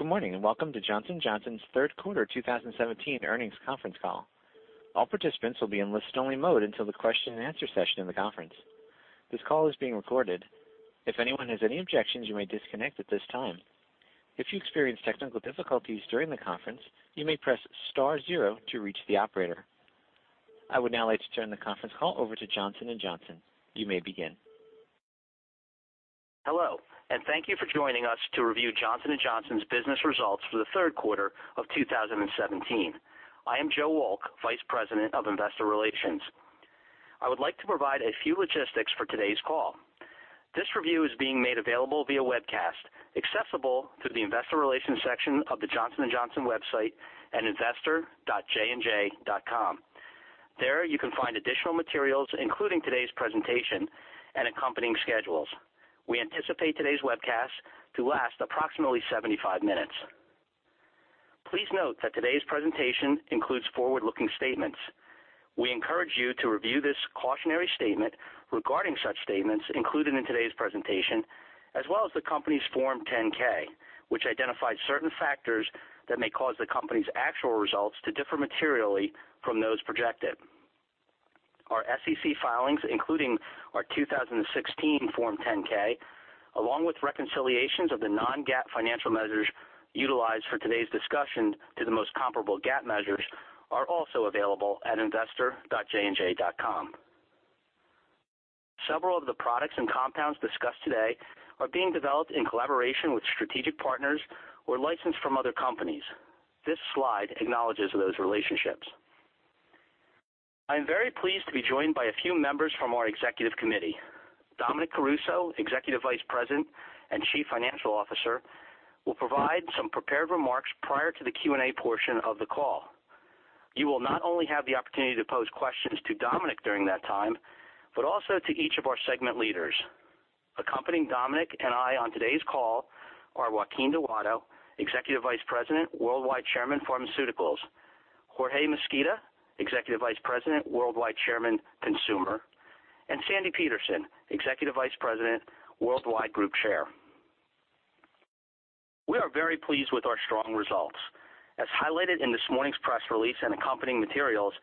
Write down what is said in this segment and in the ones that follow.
Good morning, welcome to Johnson & Johnson's third quarter 2017 earnings conference call. All participants will be in listen-only mode until the question and answer session of the conference. This call is being recorded. If anyone has any objections, you may disconnect at this time. If you experience technical difficulties during the conference, you may press star zero to reach the operator. I would now like to turn the conference call over to Johnson & Johnson. You may begin. Hello, thank you for joining us to review Johnson & Johnson's business results for the third quarter of 2017. I am Joe Wolk, Vice President of Investor Relations. I would like to provide a few logistics for today's call. This review is being made available via webcast, accessible through the investor relations section of the Johnson & Johnson website at investor.jnj.com. There, you can find additional materials, including today's presentation and accompanying schedules. We anticipate today's webcast to last approximately 75 minutes. Please note that today's presentation includes forward-looking statements. We encourage you to review this cautionary statement regarding such statements included in today's presentation, as well as the company's Form 10-K, which identifies certain factors that may cause the company's actual results to differ materially from those projected. Our SEC filings, including our 2016 Form 10-K, along with reconciliations of the non-GAAP financial measures utilized for today's discussion to the most comparable GAAP measures, are also available at investor.jnj.com. Several of the products and compounds discussed today are being developed in collaboration with strategic partners or licensed from other companies. This slide acknowledges those relationships. I am very pleased to be joined by a few members from our executive committee. Dominic Caruso, Executive Vice President and Chief Financial Officer, will provide some prepared remarks prior to the Q&A portion of the call. You will not only have the opportunity to pose questions to Dominic during that time, but also to each of our segment leaders. Accompanying Dominic and I on today's call are Joaquin Duato, Executive Vice President, Worldwide Chairman, Pharmaceuticals; Jorge Mesquita, Executive Vice President, Worldwide Chairman, Consumer; and Sandi Peterson, Executive Vice President, Worldwide Group Chair. We are very pleased with our strong results. As highlighted in this morning's press release and accompanying materials,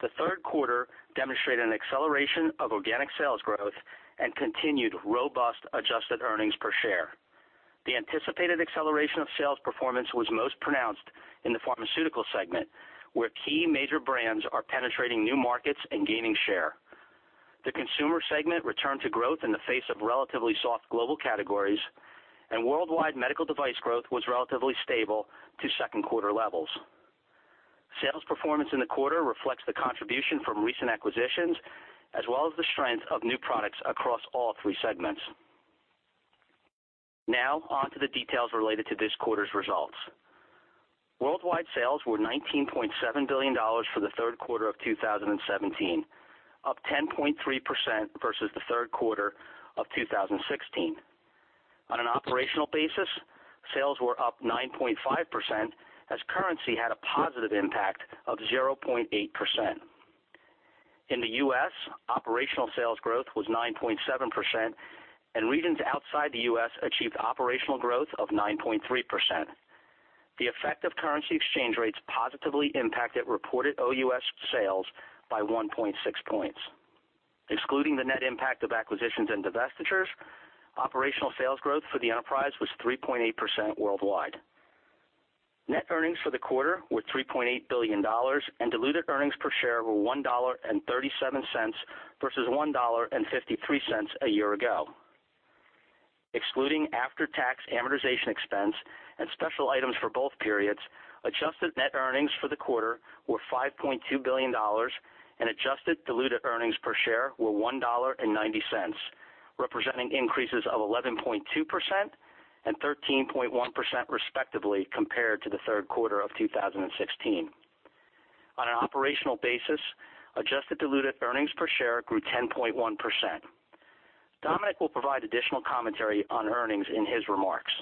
the third quarter demonstrated an acceleration of organic sales growth and continued robust adjusted earnings per share. The anticipated acceleration of sales performance was most pronounced in the Pharmaceutical Segment, where key major brands are penetrating new markets and gaining share. The Consumer Segment returned to growth in the face of relatively soft global categories, and worldwide Medical Device growth was relatively stable to second quarter levels. Sales performance in the quarter reflects the contribution from recent acquisitions, as well as the strength of new products across all three segments. On to the details related to this quarter's results. Worldwide sales were $19.7 billion for the third quarter of 2017, up 10.3% versus the third quarter of 2016. On an operational basis, sales were up 9.5% as currency had a positive impact of 0.8%. In the U.S., operational sales growth was 9.7%, and regions outside the U.S. achieved operational growth of 9.3%. The effect of currency exchange rates positively impacted reported OUS sales by 1.6 points. Excluding the net impact of acquisitions and divestitures, operational sales growth for the enterprise was 3.8% worldwide. Net earnings for the quarter were $3.8 billion, and diluted earnings per share were $1.37 versus $1.53 a year ago. Excluding after-tax amortization expense and special items for both periods, adjusted net earnings for the quarter were $5.2 billion and adjusted diluted earnings per share were $1.90, representing increases of 11.2% and 13.1% respectively compared to the third quarter of 2016. On an operational basis, adjusted diluted earnings per share grew 10.1%. Dominic will provide additional commentary on earnings in his remarks.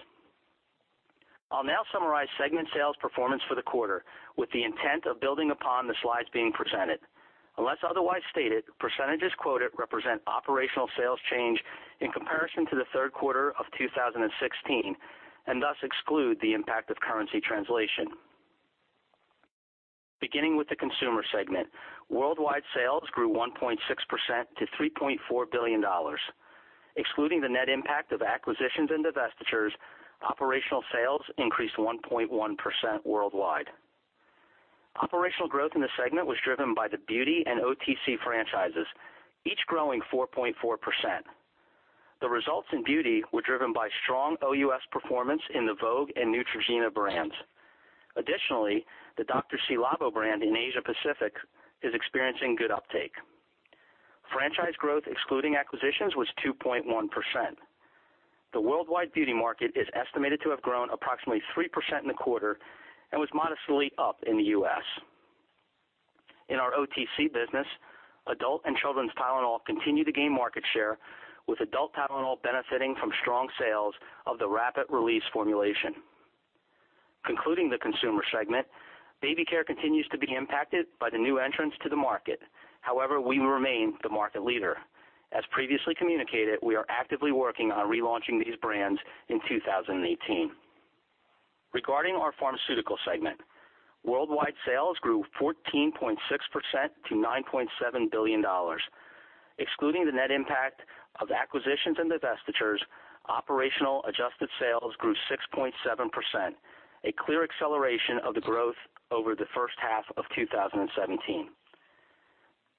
I'll now summarize segment sales performance for the quarter with the intent of building upon the slides being presented. Unless otherwise stated, percentages quoted represent operational sales change in comparison to the third quarter of 2016 and thus exclude the impact of currency translation. Beginning with the Consumer segment, worldwide sales grew 1.6% to $3.4 billion. Excluding the net impact of acquisitions and divestitures, operational sales increased 1.1% worldwide. Operational growth in the segment was driven by the beauty and OTC franchises, each growing 4.4%. The results in beauty were driven by strong OUS performance in the Vogue and Neutrogena brands. Additionally, the Dr.Ci:Labo brand in Asia-Pacific is experiencing good uptake. Franchise growth excluding acquisitions was 2.1%. The worldwide beauty market is estimated to have grown approximately 3% in the quarter and was modestly up in the U.S. In our OTC business, adult and children's Tylenol continue to gain market share, with adult Tylenol benefiting from strong sales of the rapid release formulation. Concluding the Consumer segment, baby care continues to be impacted by the new entrants to the market. However, we remain the market leader. As previously communicated, we are actively working on relaunching these brands in 2018. Regarding our Pharmaceutical segment, worldwide sales grew 14.6% to $9.7 billion. Excluding the net impact of acquisitions and divestitures, operational adjusted sales grew 6.7%, a clear acceleration of the growth over the first half of 2017.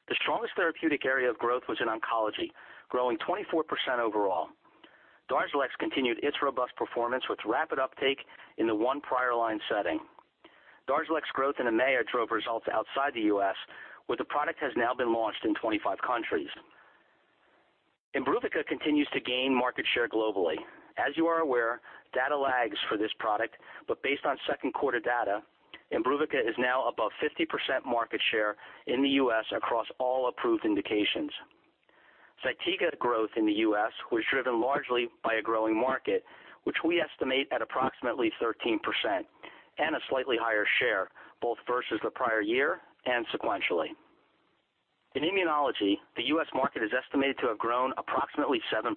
The strongest therapeutic area of growth was in oncology, growing 24% overall. DARZALEX continued its robust performance with rapid uptake in the 1 prior line setting. DARZALEX growth in EMEA drove results outside the U.S., where the product has now been launched in 25 countries. IMBRUVICA continues to gain market share globally. As you are aware, data lags for this product, based on second quarter data, IMBRUVICA is now above 50% market share in the U.S. across all approved indications. ZYTIGA growth in the U.S. was driven largely by a growing market, which we estimate at approximately 13%, and a slightly higher share, both versus the prior year and sequentially. In immunology, the U.S. market is estimated to have grown approximately 7%.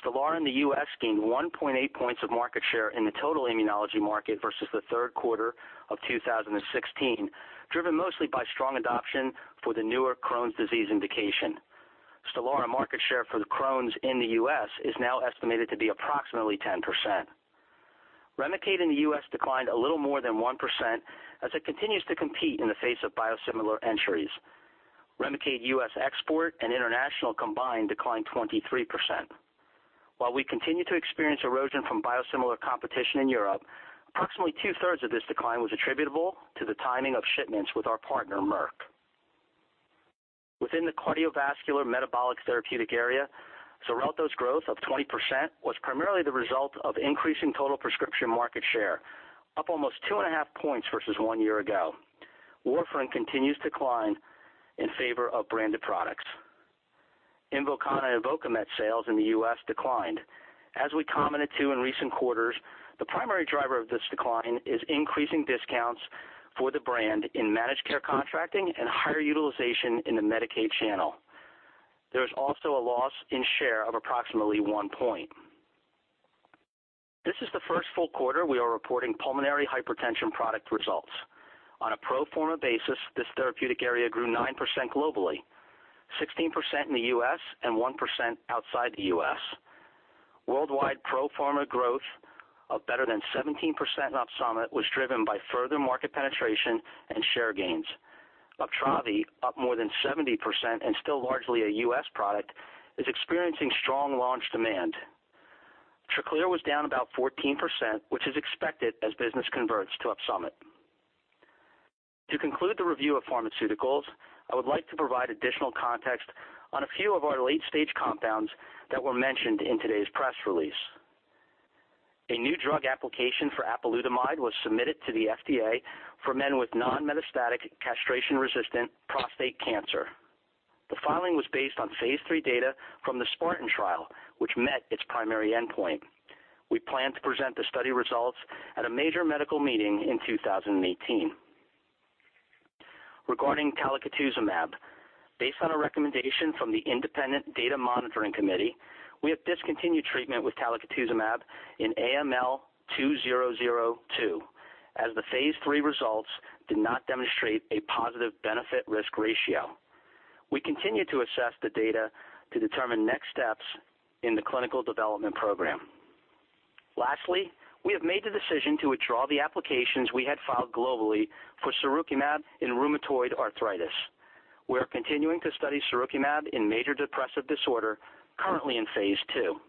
STELARA in the U.S. gained 1.8 points of market share in the total immunology market versus the third quarter of 2016, driven mostly by strong adoption for the newer Crohn's disease indication. STELARA market share for the Crohn's in the U.S. is now estimated to be approximately 10%. REMICADE in the U.S. declined a little more than 1% as it continues to compete in the face of biosimilar entries. REMICADE U.S. export and international combined declined 23%. While we continue to experience erosion from biosimilar competition in Europe, approximately two-thirds of this decline was attributable to the timing of shipments with our partner, Merck. Within the cardiovascular metabolic therapeutic area, XARELTO's growth of 20% was primarily the result of increasing total prescription market share, up almost two and a half points versus one year ago. warfarin continues to decline in favor of branded products. INVOKANA and INVOKAMET sales in the U.S. declined. As we commented to in recent quarters, the primary driver of this decline is increasing discounts for the brand in managed care contracting and higher utilization in the Medicaid channel. There is also a loss in share of approximately one point. This is the first full quarter we are reporting pulmonary hypertension product results. On a pro forma basis, this therapeutic area grew 9% globally, 16% in the U.S., and 1% outside the U.S. Worldwide pro forma growth of better than 17% in OPSUMIT was driven by further market penetration and share gains. UPTRAVI, up more than 70% and still largely a U.S. product, is experiencing strong launch demand. TRACLEER was down about 14%, which is expected as business converts to OPSUMIT. To conclude the review of pharmaceuticals, I would like to provide additional context on a few of our late-stage compounds that were mentioned in today's press release. A new drug application for apalutamide was submitted to the FDA for men with non-metastatic castration-resistant prostate cancer. The filing was based on phase III data from the SPARTAN trial, which met its primary endpoint. We plan to present the study results at a major medical meeting in 2018. Regarding talquetamab, based on a recommendation from the Independent Data Monitoring Committee, we have discontinued treatment with talquetamab in AML2002, as the phase III results did not demonstrate a positive benefit risk ratio. We continue to assess the data to determine next steps in the clinical development program. Lastly, we have made the decision to withdraw the applications we had filed globally for sirukumab in rheumatoid arthritis. We are continuing to study sirukumab in major depressive disorder, currently in phase II.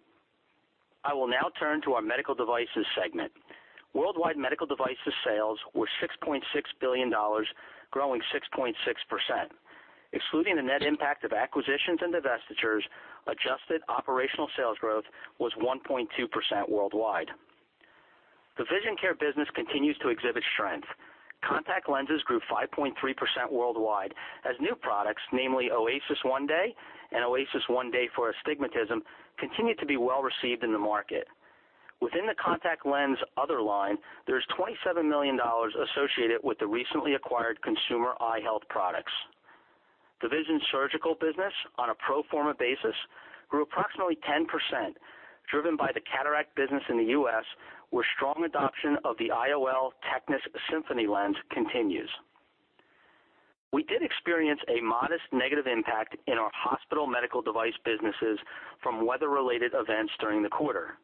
I will now turn to our Medical Devices segment. Worldwide medical devices sales were $6.6 billion, growing 6.6%. Excluding the net impact of acquisitions and divestitures, adjusted operational sales growth was 1.2% worldwide. The vision care business continues to exhibit strength. Contact lenses grew 5.3% worldwide as new products, namely ACUVUE OASYS 1-DAY and ACUVUE OASYS 1-DAY for ASTIGMATISM, continue to be well-received in the market. Within the contact lens other line, there is $27 million associated with the recently acquired consumer eye health products. The vision surgical business, on a pro forma basis, grew approximately 10%, driven by the cataract business in the U.S., where strong adoption of the IOL TECNIS Symfony lens continues. We did experience a modest negative impact in our hospital medical device businesses from weather-related events during the quarter.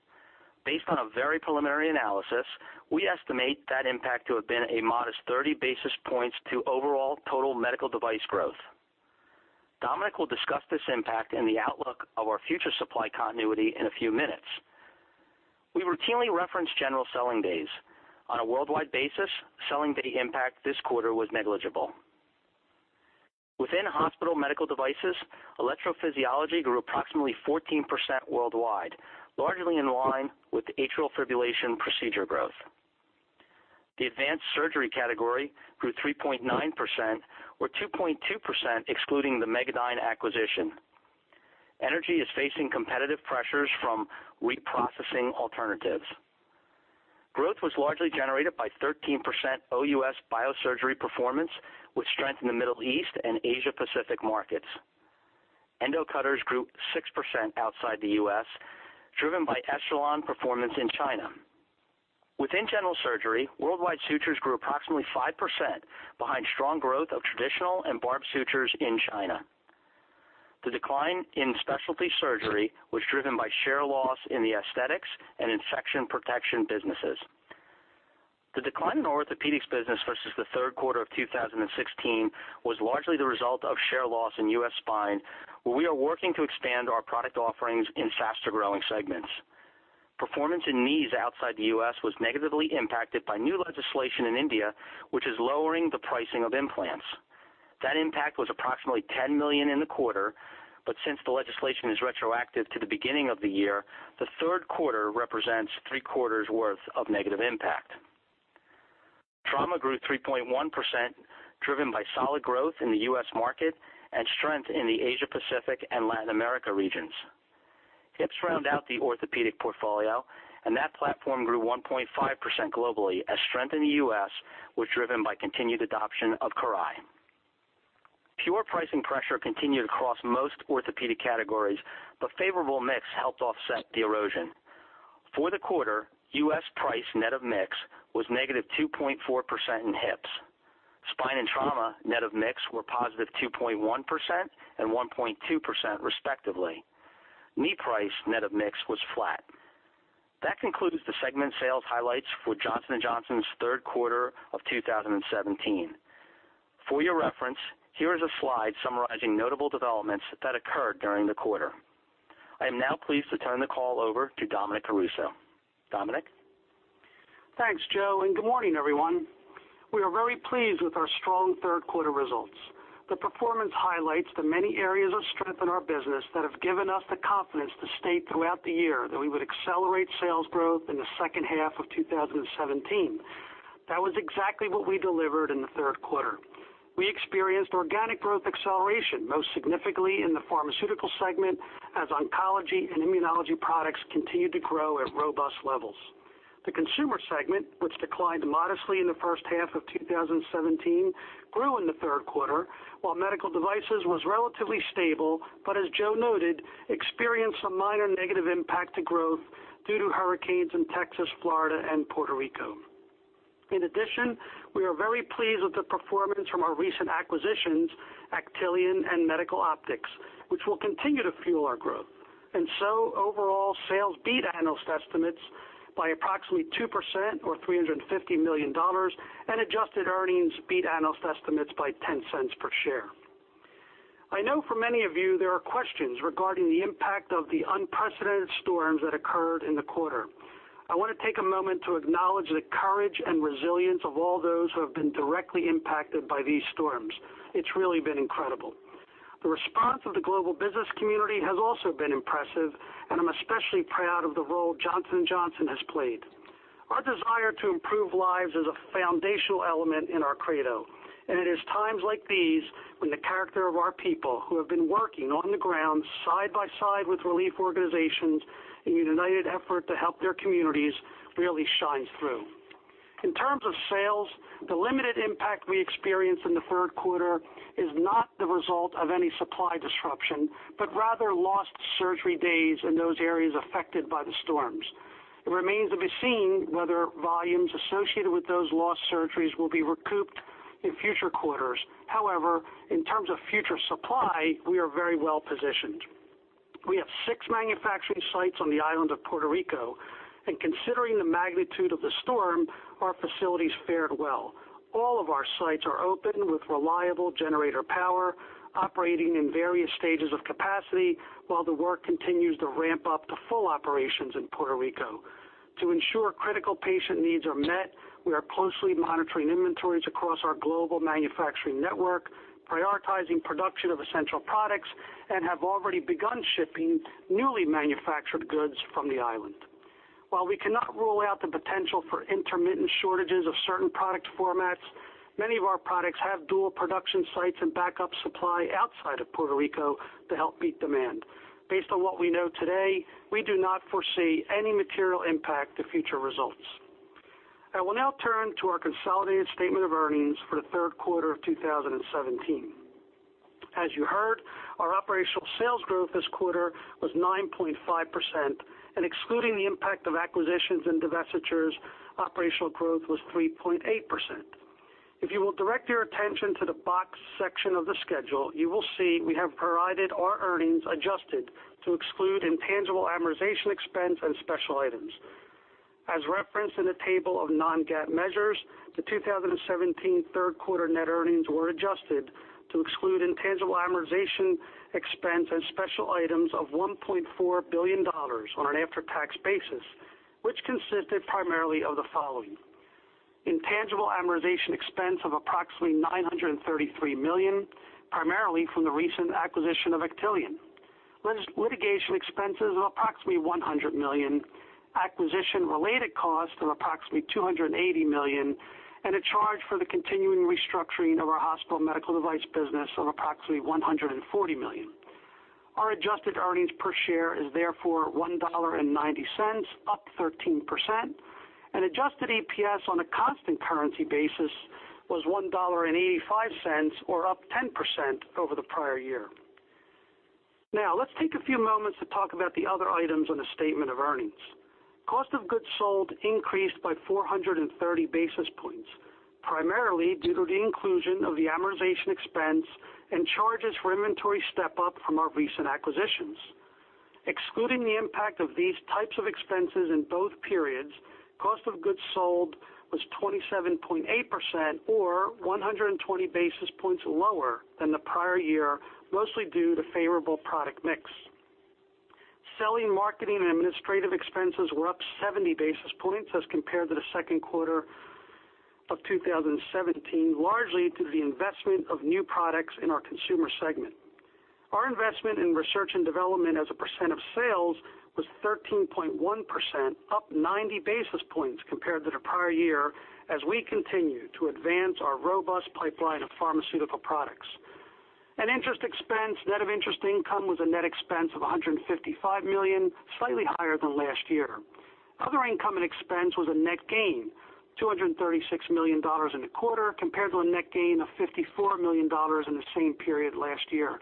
Based on a very preliminary analysis, we estimate that impact to have been a modest 30 basis points to overall total medical device growth. Dominic will discuss this impact and the outlook of our future supply continuity in a few minutes. We routinely reference general selling days. On a worldwide basis, selling day impact this quarter was negligible. Within hospital medical devices, electrophysiology grew approximately 14% worldwide, largely in line with atrial fibrillation procedure growth. The advanced surgery category grew 3.9%, or 2.2% excluding the Megadyne acquisition. Energy is facing competitive pressures from reprocessing alternatives. Growth was largely generated by 13% OUS Biosurgery performance, with strength in the Middle East and Asia Pacific markets. Endocutters grew 6% outside the U.S., driven by ECHELON performance in China. Within General Surgery, worldwide sutures grew approximately 5% behind strong growth of traditional and barbed sutures in China. The decline in Specialty Surgery was driven by share loss in the aesthetics and infection protection businesses. The decline in Orthopedics business versus the third quarter of 2016 was largely the result of share loss in U.S. Spine, where we are working to expand our product offerings in faster-growing segments. Performance in knees outside the U.S. was negatively impacted by new legislation in India, which is lowering the pricing of implants. That impact was approximately $10 million in the quarter. Since the legislation is retroactive to the beginning of the year, the third quarter represents three quarters' worth of negative impact. Trauma grew 3.1%, driven by solid growth in the U.S. market and strength in the Asia Pacific and Latin America regions. Hips round out the Orthopedic portfolio. That platform grew 1.5% globally as strength in the U.S. was driven by continued adoption of CORAIL. Pure pricing pressure continued across most Orthopedic categories. Favorable mix helped offset the erosion. For the quarter, U.S. price net of mix was negative 2.4% in hips. Spine and trauma net of mix were positive 2.1% and 1.2%, respectively. Knee price net of mix was flat. That concludes the segment sales highlights for Johnson & Johnson's third quarter of 2017. For your reference, here is a slide summarizing notable developments that occurred during the quarter. I am now pleased to turn the call over to Dominic Caruso. Dominic? Thanks, Joe. Good morning, everyone. We are very pleased with our strong third quarter results. The performance highlights the many areas of strength in our business that have given us the confidence to state throughout the year that we would accelerate sales growth in the second half of 2017. That was exactly what we delivered in the third quarter. We experienced organic growth acceleration, most significantly in the Pharmaceutical segment, as oncology and immunology products continued to grow at robust levels. The Consumer segment, which declined modestly in the first half of 2017, grew in the third quarter, while Medical Devices was relatively stable. As Joe noted, experienced a minor negative impact to growth due to hurricanes in Texas, Florida, and Puerto Rico. In addition, we are very pleased with the performance from our recent acquisitions, Actelion and Abbott Medical Optics, which will continue to fuel our growth. Overall, sales beat analyst estimates by approximately 2% or $350 million, and adjusted earnings beat analyst estimates by $0.10 per share. I know for many of you, there are questions regarding the impact of the unprecedented storms that occurred in the quarter. I want to take a moment to acknowledge the courage and resilience of all those who have been directly impacted by these storms. It's really been incredible. The response of the global business community has also been impressive, and I'm especially proud of the role Johnson & Johnson has played. Our desire to improve lives is a foundational element in our credo, and it is times like these when the character of our people, who have been working on the ground side by side with relief organizations in a united effort to help their communities, really shines through. In terms of sales, the limited impact we experienced in the third quarter is not the result of any supply disruption, but rather lost surgery days in those areas affected by the storms. It remains to be seen whether volumes associated with those lost surgeries will be recouped in future quarters. However, in terms of future supply, we are very well positioned. We have six manufacturing sites on the island of Puerto Rico, and considering the magnitude of the storm, our facilities fared well. All of our sites are open with reliable generator power, operating in various stages of capacity while the work continues to ramp up to full operations in Puerto Rico. To ensure critical patient needs are met, we are closely monitoring inventories across our global manufacturing network, prioritizing production of essential products, and have already begun shipping newly manufactured goods from the island. While we cannot rule out the potential for intermittent shortages of certain product formats, many of our products have dual production sites and backup supply outside of Puerto Rico to help meet demand. Based on what we know today, we do not foresee any material impact to future results. I will now turn to our consolidated statement of earnings for the third quarter of 2017. As you heard, our operational sales growth this quarter was 9.5%, and excluding the impact of acquisitions and divestitures, operational growth was 3.8%. If you will direct your attention to the box section of the schedule, you will see we have provided our earnings adjusted to exclude intangible amortization expense and special items. As referenced in the table of non-GAAP measures, the 2017 third quarter net earnings were adjusted to exclude intangible amortization expense and special items of $1.4 billion on an after-tax basis, which consisted primarily of the following: Intangible amortization expense of approximately $933 million, primarily from the recent acquisition of Actelion. Litigation expenses of approximately $100 million. Acquisition-related costs of approximately $280 million, and a charge for the continuing restructuring of our hospital medical device business of approximately $140 million. Our adjusted earnings per share is therefore $1.90, up 13%, and adjusted EPS on a constant currency basis was $1.85 or up 10% over the prior year. Let's take a few moments to talk about the other items on the statement of earnings. Cost of goods sold increased by 430 basis points, primarily due to the inclusion of the amortization expense and charges for inventory step-up from our recent acquisitions. Excluding the impact of these types of expenses in both periods, cost of goods sold was 27.8%, or 120 basis points lower than the prior year, mostly due to favorable product mix. Selling, marketing, and administrative expenses were up 70 basis points as compared to the second quarter of 2017, largely due to the investment of new products in our Consumer segment. Our investment in research and development as a percent of sales was 13.1%, up 90 basis points compared to the prior year as we continue to advance our robust pipeline of pharmaceutical products. Interest expense, net of interest income was a net expense of $155 million, slightly higher than last year. Other income and expense was a net gain, $236 million in the quarter compared to a net gain of $54 million in the same period last year.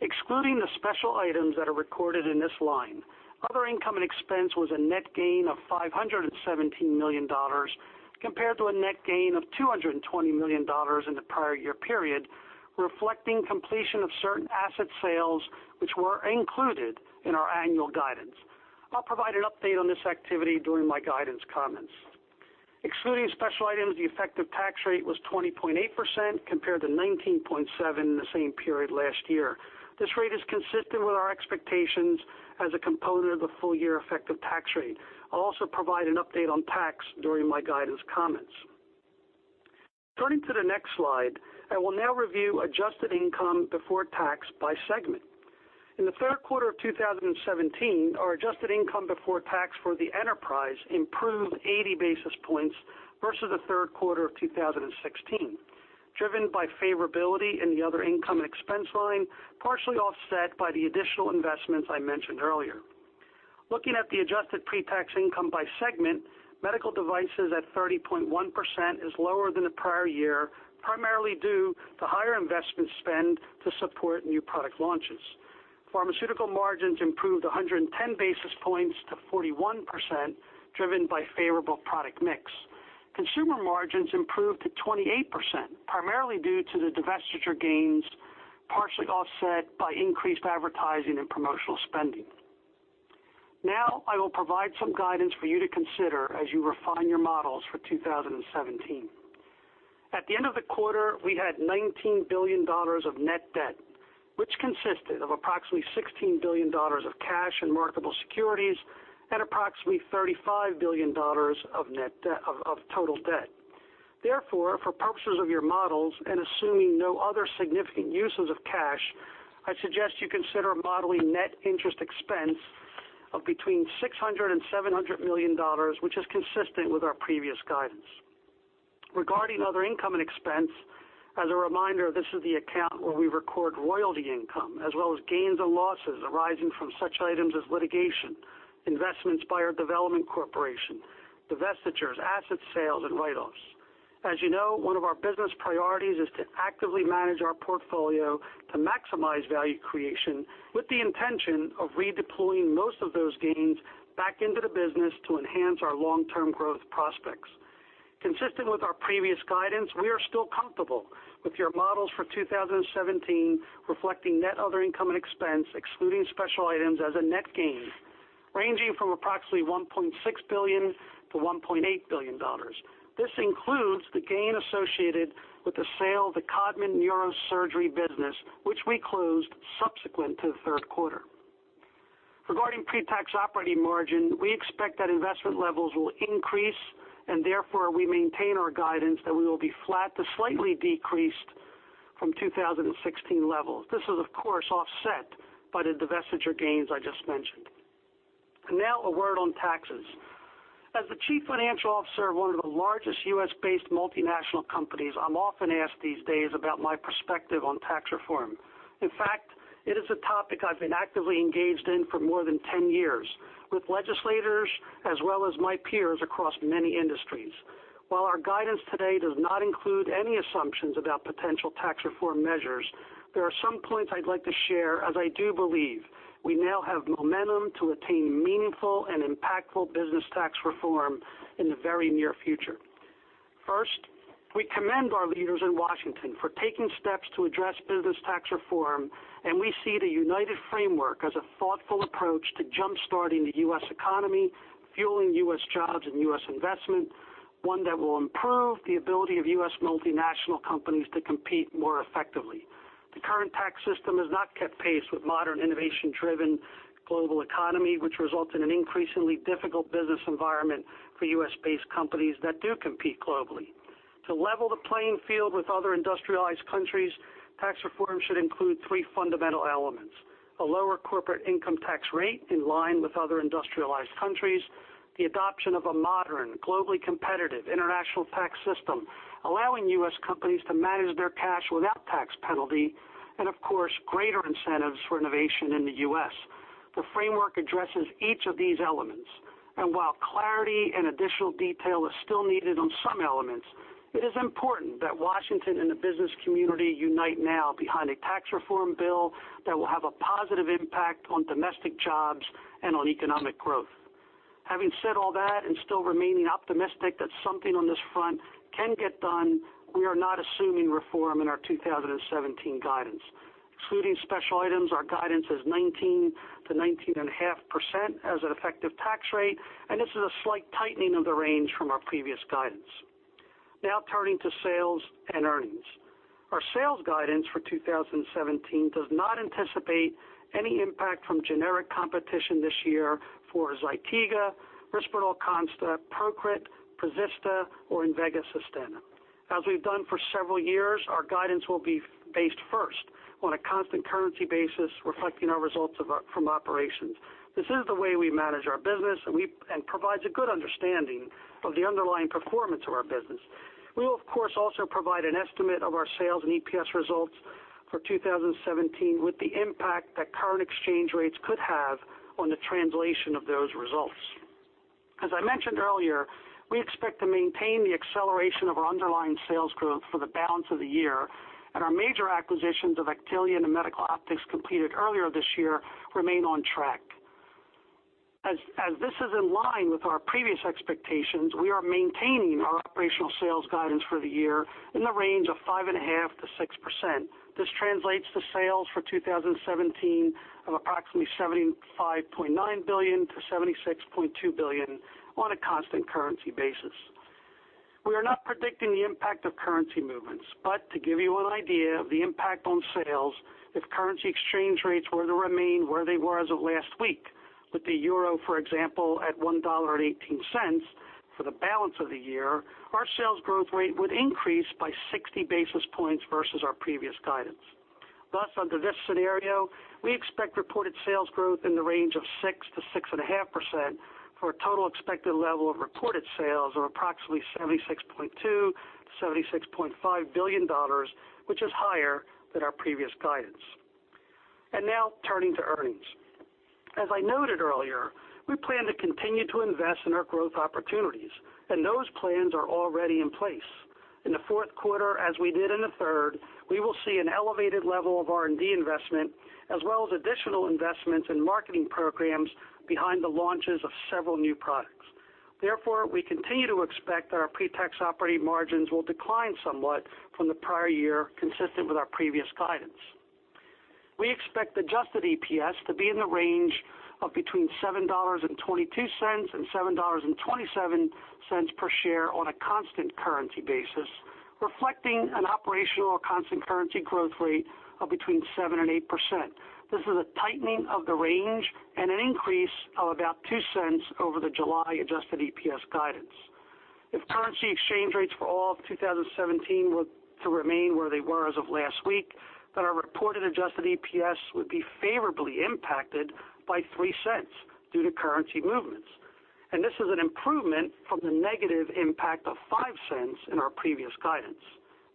Excluding the special items that are recorded in this line, other income and expense was a net gain of $517 million, compared to a net gain of $220 million in the prior year period, reflecting completion of certain asset sales which were included in our annual guidance. I'll provide an update on this activity during my guidance comments. Excluding special items, the effective tax rate was 20.8% compared to 19.7% in the same period last year. This rate is consistent with our expectations as a component of the full-year effective tax rate. I'll also provide an update on tax during my guidance comments. Turning to the next slide, I will now review adjusted income before tax by segment. In the third quarter of 2017, our adjusted income before tax for the enterprise improved 80 basis points versus the third quarter of 2016, driven by favorability in the other income and expense line, partially offset by the additional investments I mentioned earlier. Looking at the adjusted pre-tax income by segment, Medical Devices at 30.1% is lower than the prior year, primarily due to higher investment spend to support new product launches. Pharmaceutical margins improved 110 basis points to 41%, driven by favorable product mix. Consumer margins improved to 28%, primarily due to the divestiture gains, partially offset by increased advertising and promotional spending. Now, I will provide some guidance for you to consider as you refine your models for 2017. At the end of the quarter, we had $19 billion of net debt, which consisted of approximately $16 billion of cash and marketable securities and approximately $35 billion of total debt. Therefore, for purposes of your models and assuming no other significant uses of cash, I suggest you consider modeling net interest expense of between $600 million and $700 million, which is consistent with our previous guidance. Regarding other income and expense, as a reminder, this is the account where we record royalty income, as well as gains and losses arising from such items as litigation, investments by our development corporation, divestitures, asset sales, and write-offs. As you know, one of our business priorities is to actively manage our portfolio to maximize value creation with the intention of redeploying most of those gains back into the business to enhance our long-term growth prospects. Consistent with our previous guidance, we are still comfortable with your models for 2017 reflecting net other income and expense, excluding special items as a net gain ranging from approximately $1.6 billion-$1.8 billion. This includes the gain associated with the sale of the Codman Neurosurgery business, which we closed subsequent to the third quarter. Regarding pre-tax operating margin, we expect that investment levels will increase. Therefore, we maintain our guidance that we will be flat to slightly decreased from 2016 levels. This is of course offset by the divestiture gains I just mentioned. Now a word on taxes. As the Chief Financial Officer of one of the largest U.S.-based multinational companies, I'm often asked these days about my perspective on tax reform. In fact, it is a topic I've been actively engaged in for more than 10 years with legislators as well as my peers across many industries. While our guidance today does not include any assumptions about potential tax reform measures, there are some points I'd like to share as I do believe we now have momentum to attain meaningful and impactful business tax reform in the very near future. First, we commend our leaders in Washington for taking steps to address business tax reform. We see the Unified Framework as a thoughtful approach to jump-starting the U.S. economy, fueling U.S. jobs and U.S. investment, one that will improve the ability of U.S. multinational companies to compete more effectively. The current tax system has not kept pace with modern innovation-driven global economy, which results in an increasingly difficult business environment for U.S.-based companies that do compete globally. To level the playing field with other industrialized countries, tax reform should include three fundamental elements. A lower corporate income tax rate in line with other industrialized countries, the adoption of a modern, globally competitive international tax system, allowing U.S. companies to manage their cash without tax penalty. Of course, greater incentives for innovation in the U.S. The framework addresses each of these elements. While clarity and additional detail is still needed on some elements, it is important that Washington and the business community unite now behind a tax reform bill that will have a positive impact on domestic jobs and on economic growth. Having said all that, still remaining optimistic that something on this front can get done, we are not assuming reform in our 2017 guidance. Excluding special items, our guidance is 19%-19.5% as an effective tax rate. This is a slight tightening of the range from our previous guidance. Now turning to sales and earnings. Our sales guidance for 2017 does not anticipate any impact from generic competition this year for ZYTIGA, RISPERDAL CONSTA, PROCRIT, PREZISTA, or INVEGA SUSTENNA. As we've done for several years, our guidance will be based first on a constant currency basis reflecting our results from operations. This is the way we manage our business. It provides a good understanding of the underlying performance of our business. We will, of course, also provide an estimate of our sales and EPS results for 2017 with the impact that current exchange rates could have on the translation of those results. As I mentioned earlier, we expect to maintain the acceleration of our underlying sales growth for the balance of the year, and our major acquisitions of Actelion and Medical Optics completed earlier this year remain on track. As this is in line with our previous expectations, we are maintaining our operational sales guidance for the year in the range of 5.5%-6%. This translates to sales for 2017 of approximately $75.9 billion-$76.2 billion on a constant currency basis. We are not predicting the impact of currency movements, but to give you an idea of the impact on sales, if currency exchange rates were to remain where they were as of last week with the euro, for example, at $1.18 for the balance of the year, our sales growth rate would increase by 60 basis points versus our previous guidance. Thus, under this scenario, we expect reported sales growth in the range of 6%-6.5% for a total expected level of reported sales of approximately $76.2 billion-$76.5 billion, which is higher than our previous guidance. Now turning to earnings. As I noted earlier, we plan to continue to invest in our growth opportunities, and those plans are already in place. In the fourth quarter, as we did in the third, we will see an elevated level of R&D investment as well as additional investments in marketing programs behind the launches of several new products. Therefore, we continue to expect that our pre-tax operating margins will decline somewhat from the prior year, consistent with our previous guidance. We expect adjusted EPS to be in the range of between $7.22 and $7.27 per share on a constant currency basis, reflecting an operational constant currency growth rate of between 7% and 8%. This is a tightening of the range and an increase of about $0.02 over the July adjusted EPS guidance. If currency exchange rates for all of 2017 were to remain where they were as of last week, then our reported adjusted EPS would be favorably impacted by $0.03 due to currency movements. This is an improvement from the negative impact of $0.05 in our previous guidance.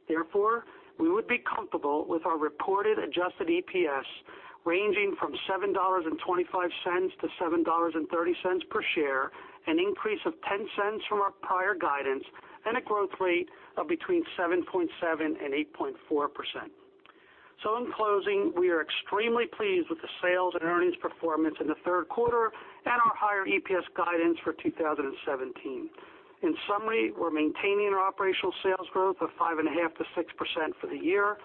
Therefore, we would be comfortable with our reported adjusted EPS ranging from $7.25-$7.30 per share, an increase of $0.10 from our prior guidance, and a growth rate of between 7.7% and 8.4%. In closing, we are extremely pleased with the sales and earnings performance in the third quarter and our higher EPS guidance for 2017. In summary, we're maintaining our operational sales growth of 5.5%-6% for the year.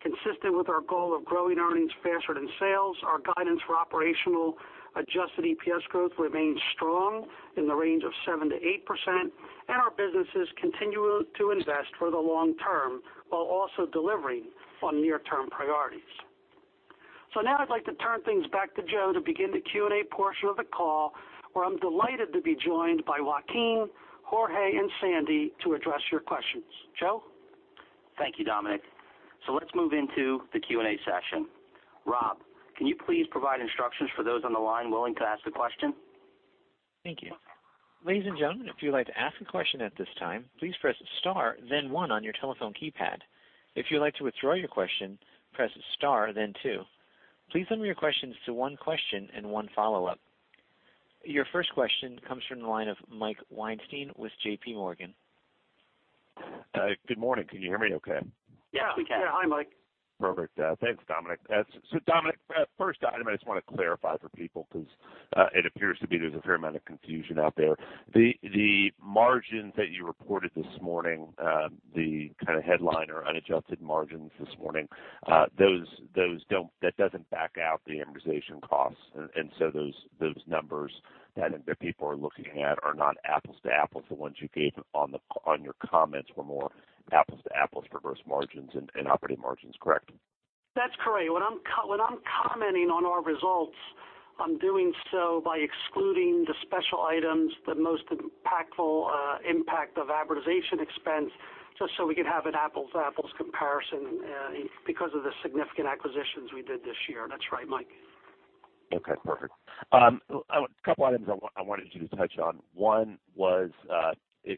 Consistent with our goal of growing earnings faster than sales, our guidance for operational adjusted EPS growth remains strong in the range of 7%-8%, and our businesses continue to invest for the long term while also delivering on near-term priorities. Now I'd like to turn things back to Joe to begin the Q&A portion of the call, where I'm delighted to be joined by Joaquin, Jorge, and Sandi to address your questions. Joe? Thank you, Dominic. Let's move into the Q&A session. Rob, can you please provide instructions for those on the line willing to ask a question? Thank you. Ladies and gentlemen, if you'd like to ask a question at this time, please press star then one on your telephone keypad. If you'd like to withdraw your question, press star then two. Please limit your questions to one question and one follow-up. Your first question comes from the line of Michael Weinstein with JPMorgan. Good morning. Can you hear me okay? Yeah. We can. Hi, Mike. Perfect. Thanks, Dominic. Dominic, first item I just want to clarify for people because it appears to me there's a fair amount of confusion out there. The margins that you reported this morning, the kind of headline or unadjusted margins this morning, that doesn't back out the amortization costs, and those numbers that people are looking at are not apples to apples. The ones you gave on your comments were more apples to apples for gross margins and operating margins, correct? That's correct. When I'm commenting on our results, I'm doing so by excluding the special items, the most impactful impact of amortization expense, just so we can have an apples-to-apples comparison because of the significant acquisitions we did this year. That's right, Mike. Okay, perfect. A couple items I wanted you to touch on. One was,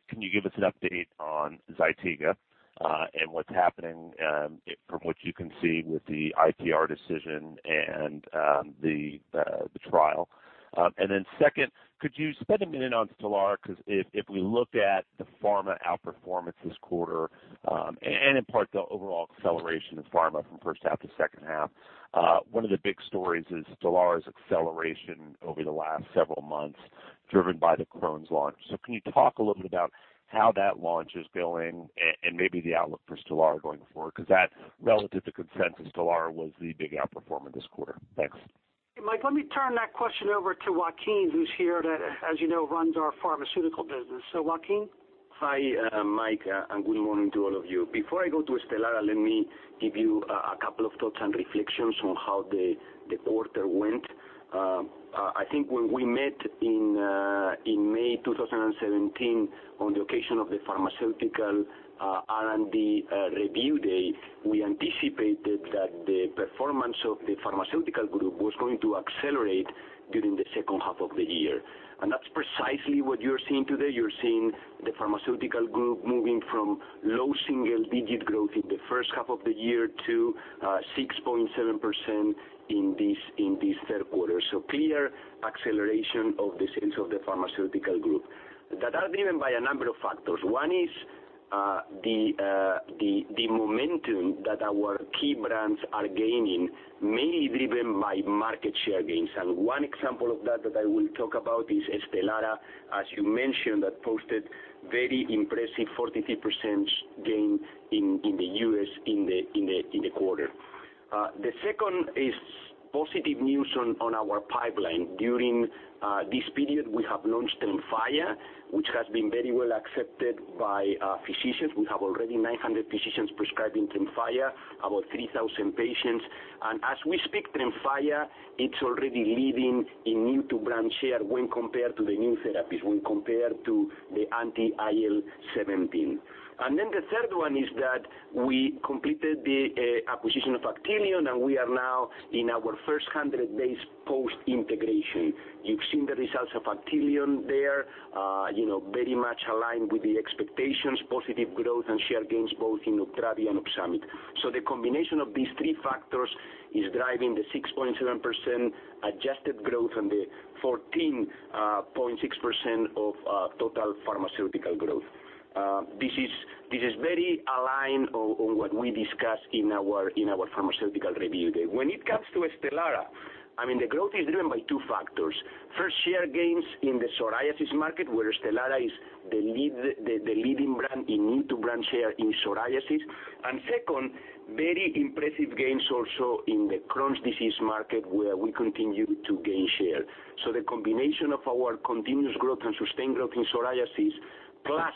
can you give us an update on ZYTIGA and what's happening, from what you can see with the IPR decision and the trial? And then second, could you spend a minute on STELARA? Because if we look at the pharma outperformance this quarter, and in part the overall acceleration of pharma from first half to second half, one of the big stories is STELARA's acceleration over the last several months, driven by the Crohn's launch. Can you talk a little bit about how that launch is going and maybe the outlook for STELARA going forward? Because that, relative to consensus, STELARA was the big outperformer this quarter. Thanks. Mike, let me turn that question over to Joaquin, who's here as you know, runs our pharmaceutical business. Joaquin? Hi, Mike, good morning to all of you. Before I go to STELARA, let me give you a couple of thoughts and reflections on how the quarter went. I think when we met in May 2017 on the occasion of the pharmaceutical R&D review day, we anticipated that the performance of the pharmaceutical group was going to accelerate during the second half of the year. That's precisely what you're seeing today. You're seeing the pharmaceutical group moving from low single-digit growth in the first half of the year to 6.7% in this third quarter. Clear acceleration of the sales of the pharmaceutical group. That are driven by a number of factors. One is the momentum that our key brands are gaining, mainly driven by market share gains. One example of that I will talk about is STELARA, as you mentioned, that posted very impressive 43% gain in the U.S. in the quarter. The second is positive news on our pipeline. During this period, we have launched TREMFYA, which has been very well accepted by physicians. We have already 900 physicians prescribing TREMFYA, about 3,000 patients. As we speak, TREMFYA, it's already leading in new to brand share when compared to the new therapies, when compared to the anti-IL-17. The third one is that we completed the acquisition of Actelion, and we are now in our first 100 days post-integration. You've seen the results of Actelion there, very much aligned with the expectations, positive growth and share gains both in UPTRAVI and OPSUMIT. The combination of these three factors is driving the 6.7% adjusted growth and the 14.6% of total pharmaceutical growth. This is very aligned on what we discussed in our pharmaceutical review day. When it comes to STELARA, the growth is driven by two factors. First, share gains in the psoriasis market, where STELARA is the leading brand in new to brand share in psoriasis. Second, very impressive gains also in the Crohn's disease market, where we continue to gain share. The combination of our continuous growth and sustained growth in psoriasis, plus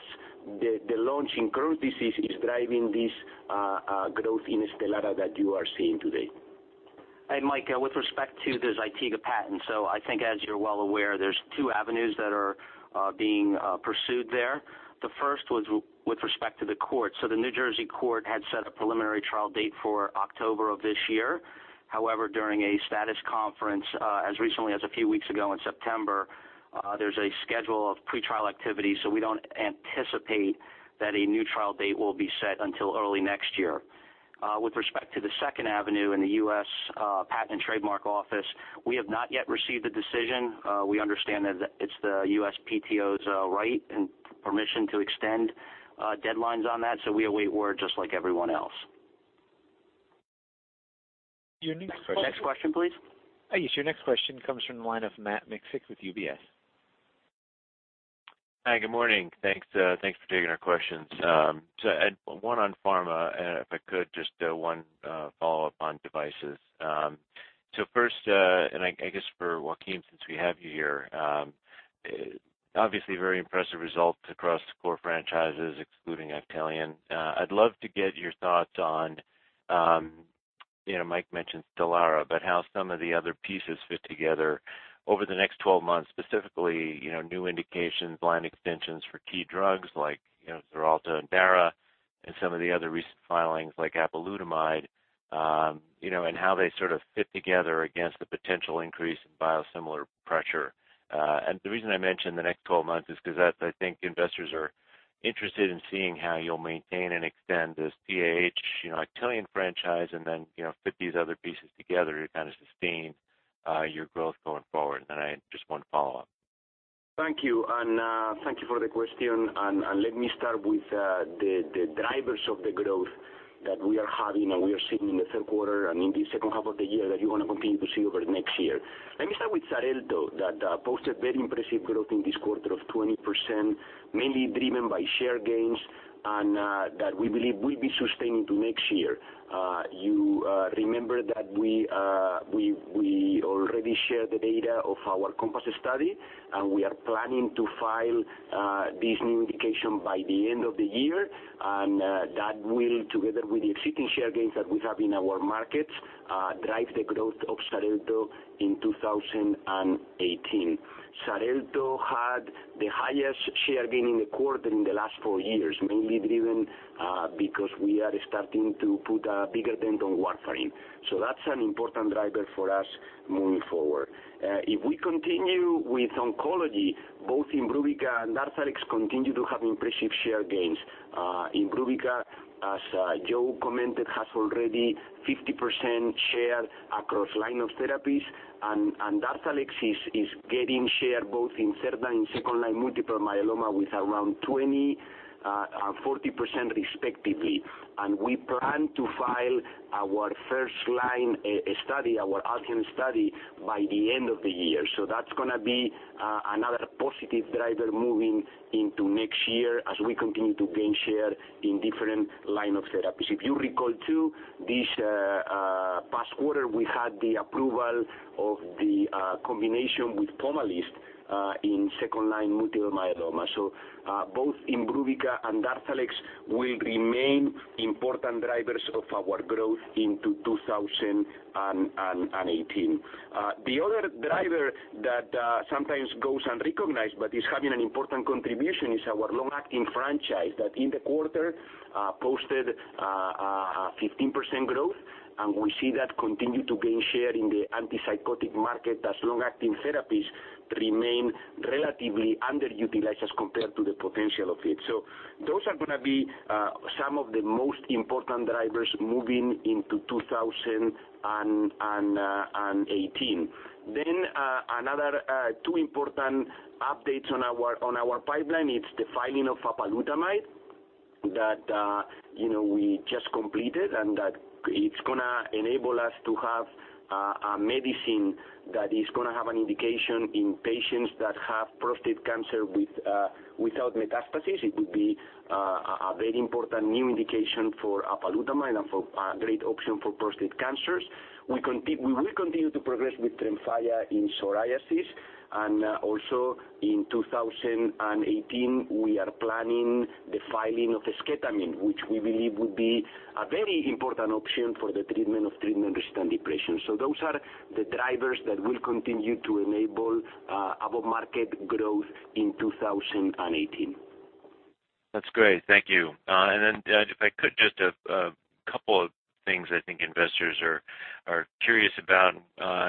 the launch in Crohn's disease is driving this growth in STELARA that you are seeing today. Mike, with respect to the ZYTIGA patent, I think as you're well aware, there's two avenues that are being pursued there. The first was with respect to the court. The New Jersey court had set a preliminary trial date for October of this year. However, during a status conference, as recently as a few weeks ago in September, there's a schedule of pretrial activities, we don't anticipate that a new trial date will be set until early next year. With respect to the second avenue in the U.S. Patent and Trademark Office, we have not yet received a decision. We understand that it's the USPTO's right and permission to extend deadlines on that, we await word just like everyone else. Your next question, please. Your next question comes from the line of Matt Miksic with UBS. Hi, good morning. Thanks for taking our questions. One on pharma, and if I could, just one follow-up on devices. First, I guess for Joaquin, since we have you here, obviously very impressive results across the core franchises, excluding Actelion. I'd love to get your thoughts on, Mike mentioned STELARA, but how some of the other pieces fit together over the next 12 months, specifically new indications, line extensions for key drugs like XARELTO and DARZALEX and some of the other recent filings like apalutamide, and how they sort of fit together against the potential increase in biosimilar pressure. The reason I mention the next 12 months is because that's, I think, investors are interested in seeing how you'll maintain and extend this the Actelion franchise and then fit these other pieces together to kind of sustain your growth going forward. I just want to follow up. Thank you. Thank you for the question. Let me start with the drivers of the growth that we are having and we are seeing in the third quarter and in the second half of the year that you're going to continue to see over next year. Let me start with XARELTO, that posted very impressive growth in this quarter of 20%, mainly driven by share gains. That we believe will be sustained into next year. You remember that we already shared the data of our COMPASS study, and we are planning to file this new indication by the end of the year, and that will, together with the existing share gains that we have in our markets, drive the growth of XARELTO in 2018. XARELTO had the highest share gain in the quarter in the last four years, mainly driven because we are starting to put a bigger dent on warfarin. That's an important driver for us moving forward. If we continue with oncology, both IMBRUVICA and DARZALEX continue to have impressive share gains. IMBRUVICA, as Joe commented, has already 50% share across line of therapies, and DARZALEX is getting share both in third line, second-line multiple myeloma with around 20% and 40% respectively. We plan to file our first-line study, our ALCYONE study, by the end of the year. That's going to be another positive driver moving into next year as we continue to gain share in different line of therapies. If you recall too, this past quarter, we had the approval of the combination with POMALYST in second-line multiple myeloma. Both IMBRUVICA and DARZALEX will remain important drivers of our growth into 2018. The other driver that sometimes goes unrecognized but is having an important contribution is our long-acting franchise that in the quarter posted a 15% growth, and we see that continue to gain share in the antipsychotic market as long-acting therapies remain relatively underutilized as compared to the potential of it. Those are going to be some of the most important drivers moving into 2018. Another two important updates on our pipeline, it's the filing of apalutamide that we just completed and that it's going to enable us to have a medicine that is going to have an indication in patients that have prostate cancer without metastasis. It would be a very important new indication for apalutamide and a great option for prostate cancers. We will continue to progress with TREMFYA in psoriasis, also in 2018, we are planning the filing of esketamine, which we believe would be a very important option for the treatment of treatment-resistant depression. Those are the drivers that will continue to enable above-market growth in 2018. That's great. Thank you. If I could, just a couple of things I think investors are curious about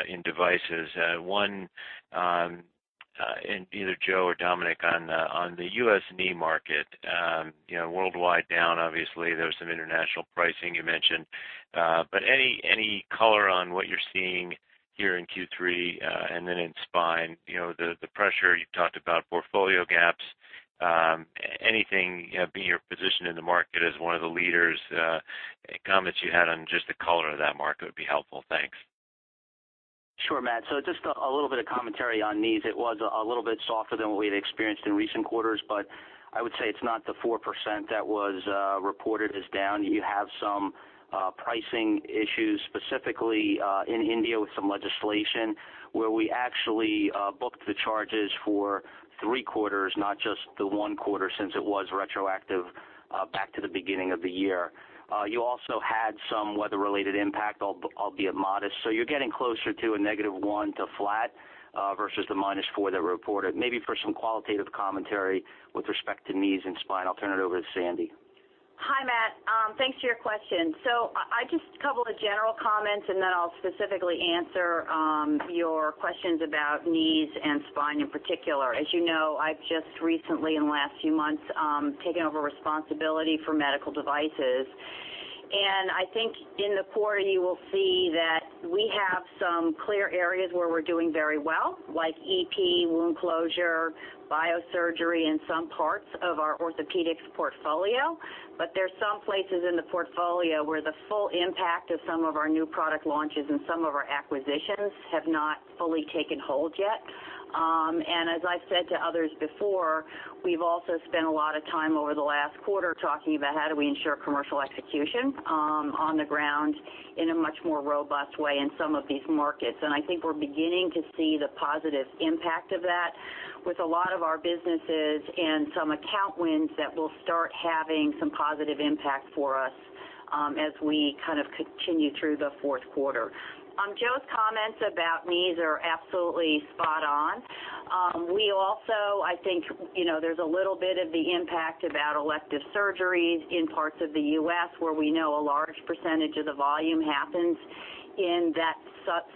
in devices. One, and either Joe or Dominic on the U.S. knee market. Worldwide down, obviously, there was some international pricing you mentioned. Any color on what you're seeing here in Q3, and then in spine, the pressure you've talked about, portfolio gaps. Anything being your position in the market as one of the leaders, comments you had on just the color of that market would be helpful. Thanks. Sure, Matt. Just a little bit of commentary on knees. It was a little bit softer than what we had experienced in recent quarters, but I would say it's not the 4% that was reported as down. You have some pricing issues, specifically in India with some legislation where we actually booked the charges for three quarters, not just the one quarter since it was retroactive back to the beginning of the year. You also had some weather-related impact, albeit modest. You're getting closer to a negative one to flat versus the minus four that were reported. Maybe for some qualitative commentary with respect to knees and spine, I'll turn it over to Sandi. Hi, Matt. Thanks for your question. Just a couple of general comments, and then I'll specifically answer your questions about knees and spine in particular. As you know, I've just recently, in the last few months, taken over responsibility for medical devices. I think in the quarter, you will see that we have some clear areas where we're doing very well, like EP, wound closure, Biosurgery, and some parts of our orthopedics portfolio. There's some places in the portfolio where the full impact of some of our new product launches and some of our acquisitions have not fully taken hold yet. As I've said to others before, we've also spent a lot of time over the last quarter talking about how do we ensure commercial execution on the ground in a much more robust way in some of these markets. I think we're beginning to see the positive impact of that with a lot of our businesses and some account wins that will start having some positive impact for us as we continue through the fourth quarter. Joe's comments about knees are absolutely spot on. We also, I think there's a little bit of the impact about elective surgeries in parts of the U.S. where we know a large percentage of the volume happens in that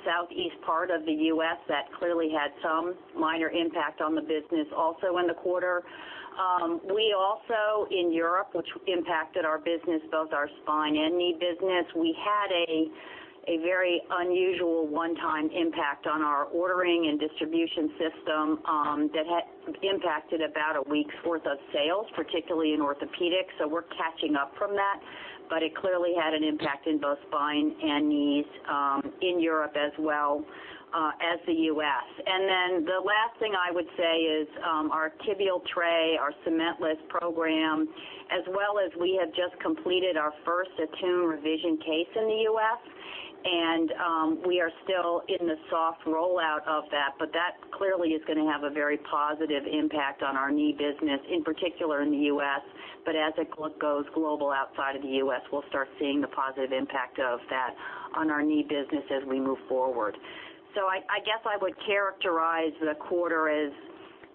southeast part of the U.S. that clearly had some minor impact on the business also in the quarter. We also, in Europe, which impacted our business, both our spine and knee business, we had a very unusual one-time impact on our ordering and distribution system that impacted about a week's worth of sales, particularly in orthopedics. Catching up from that, but it clearly had an impact in both spine and knees, in Europe as well as the U.S. The last thing I would say is our tibial tray, our cementless program, as well as we have just completed our first ATTUNE revision case in the U.S., and we are still in the soft rollout of that. That clearly is going to have a very positive impact on our knee business, in particular in the U.S., but as it goes global outside of the U.S., we'll start seeing the positive impact of that on our knee business as we move forward. I guess I would characterize the quarter as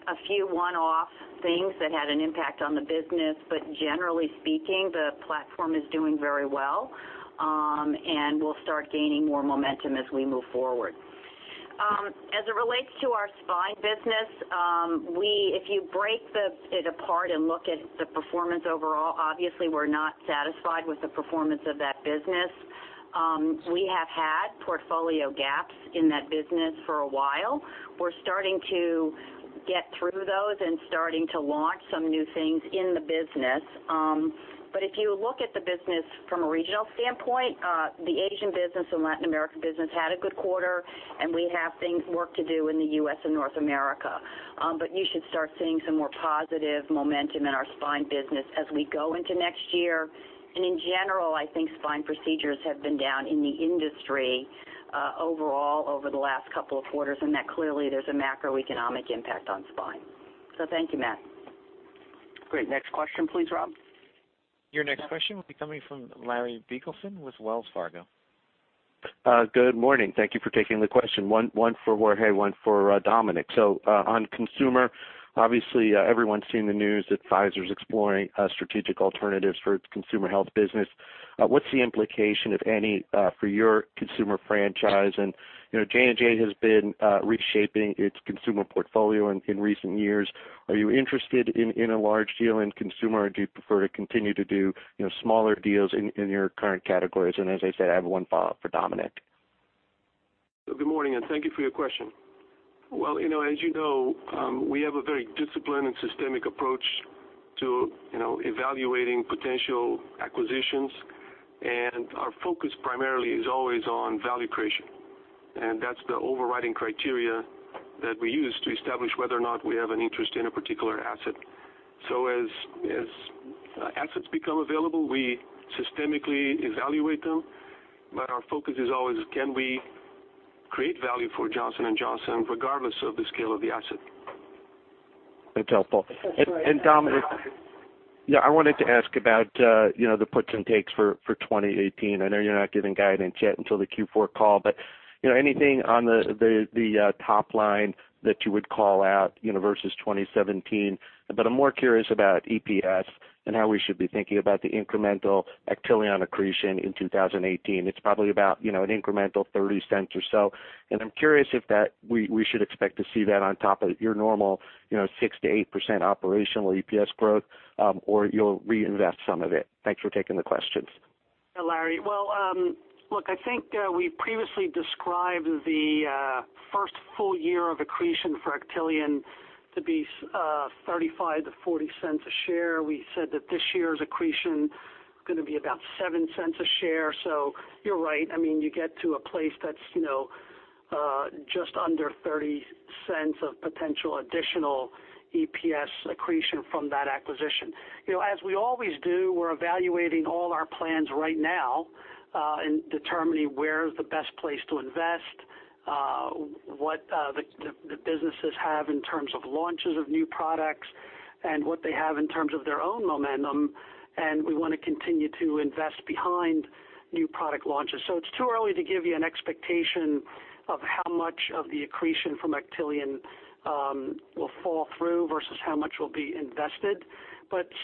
a few one-off things that had an impact on the business, but generally speaking, the platform is doing very well. We'll start gaining more momentum as we move forward. As it relates to our spine business, if you break it apart and look at the performance overall, obviously we're not satisfied with the performance of that business. We have had portfolio gaps in that business for a while. We're starting to get through those and starting to launch some new things in the business. If you look at the business from a regional standpoint, the Asian business and Latin American business had a good quarter, and we have things work to do in the U.S. and North America. You should start seeing some more positive momentum in our spine business as we go into next year. In general, I think spine procedures have been down in the industry, overall, over the last couple of quarters, and that clearly there's a macroeconomic impact on spine. Thank you, Matt. Great. Next question please, Bob. Your next question will be coming from Larry Biegelsen with Wells Fargo. Good morning. Thank you for taking the question. One for Jorge, one for Dominic. On consumer, obviously, everyone's seen the news that Pfizer's exploring strategic alternatives for its consumer health business. What's the implication, if any, for your consumer franchise? J&J has been reshaping its consumer portfolio in recent years. Are you interested in a large deal in consumer, or do you prefer to continue to do smaller deals in your current categories? As I said, I have one follow-up for Dominic. Good morning, and thank you for your question. Well, as you know, we have a very disciplined and systemic approach to evaluating potential acquisitions, and our focus primarily is always on value creation. That's the overriding criteria that we use to establish whether or not we have an interest in a particular asset. As assets become available, we systemically evaluate them, but our focus is always, can we create value for Johnson & Johnson, regardless of the scale of the asset. That's helpful. Dominic, I wanted to ask about the puts and takes for 2018. I know you're not giving guidance yet until the Q4 call, but anything on the top line that you would call out versus 2017? I'm more curious about EPS and how we should be thinking about the incremental Actelion accretion in 2018. It's probably about an incremental $0.30 or so. I'm curious if we should expect to see that on top of your normal 6%-8% operational EPS growth, or you'll reinvest some of it. Thanks for taking the questions. Larry. Look, I think we previously described the first full year of accretion for Actelion to be $0.35-$0.40 a share. We said that this year's accretion is going to be about $0.07 a share. You're right, you get to a place that's just under $0.30 of potential additional EPS accretion from that acquisition. As we always do, we're evaluating all our plans right now, and determining where is the best place to invest, what the businesses have in terms of launches of new products, and what they have in terms of their own momentum. We want to continue to invest behind new product launches. It's too early to give you an expectation of how much of the accretion from Actelion will fall through versus how much will be invested.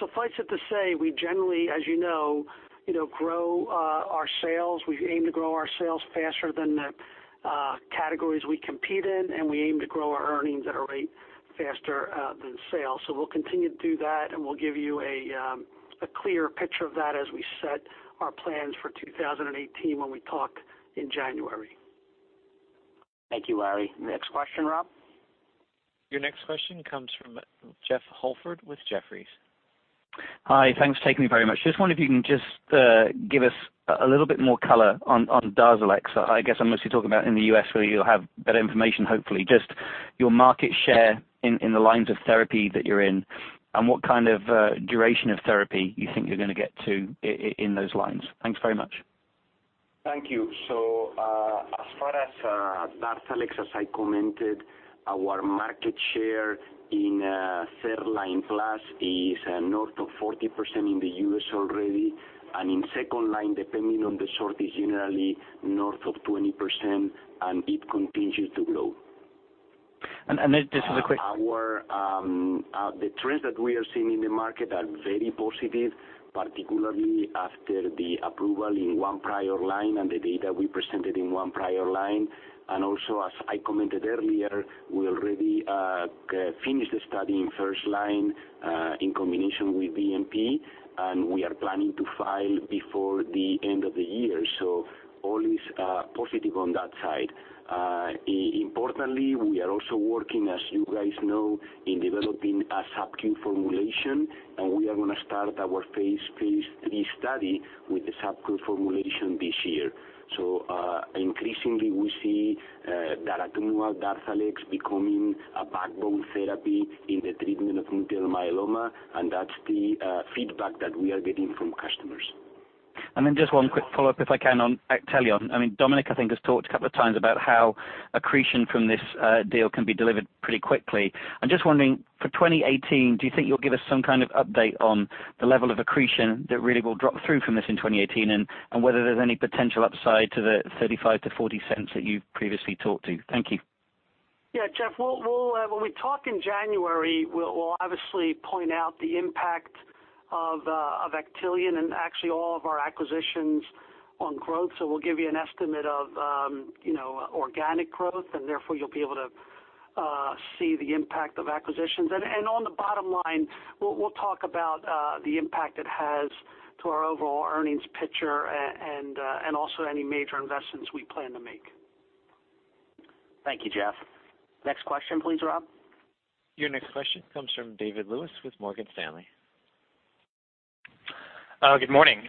Suffice it to say, we generally, as you know, grow our sales. We aim to grow our sales faster than the categories we compete in, and we aim to grow our earnings at a rate faster than sales. We'll continue to do that, and we'll give you a clear picture of that as we set our plans for 2018 when we talk in January. Thank you, Larry. Next question, Rob. Your next question comes from Jeffrey Holford with Jefferies. Hi. Thanks for taking me, very much. I wonder if you can just give us a little bit more color on DARZALEX. I guess I'm mostly talking about in the U.S., where you'll have better information, hopefully. Your market share in the lines of therapy that you're in, and what kind of duration of therapy you think you're going to get to in those lines. Thanks very much. Thank you. As far as DARZALEX, as I commented, our market share in third line plus is north of 40% in the U.S. already, and in second line, depending on the sort, is generally north of 20%, and it continues to grow. And just as a quick- The trends that we are seeing in the market are very positive, particularly after the approval in one prior line and the data we presented in one prior line. Also, as I commented earlier, we already finished the study in first line, in combination with VMP, and we are planning to file before the end of the year. All is positive on that side. Importantly, we are also working, as you guys know, in developing a subcu formulation, and we are going to start our phase III study with the subcu formulation this year. To know DARZALEX becoming a backbone therapy in the treatment of multiple myeloma, that's the feedback that we are getting from customers. Then just one quick follow-up, if I can, on Actelion. Dominic, I think, has talked a couple of times about how accretion from this deal can be delivered pretty quickly. I'm just wondering, for 2018, do you think you'll give us some kind of update on the level of accretion that really will drop through from this in 2018, and whether there's any potential upside to the $0.35-$0.40 that you previously talked to? Thank you. Yeah, Jeff. When we talk in January, we'll obviously point out the impact of Actelion and actually all of our acquisitions on growth. We'll give you an estimate of organic growth and therefore you'll be able to see the impact of acquisitions. On the bottom line, we'll talk about the impact it has to our overall earnings picture and also any major investments we plan to make. Thank you, Jeff. Next question please, Bob. Your next question comes from David Lewis with Morgan Stanley. Good morning.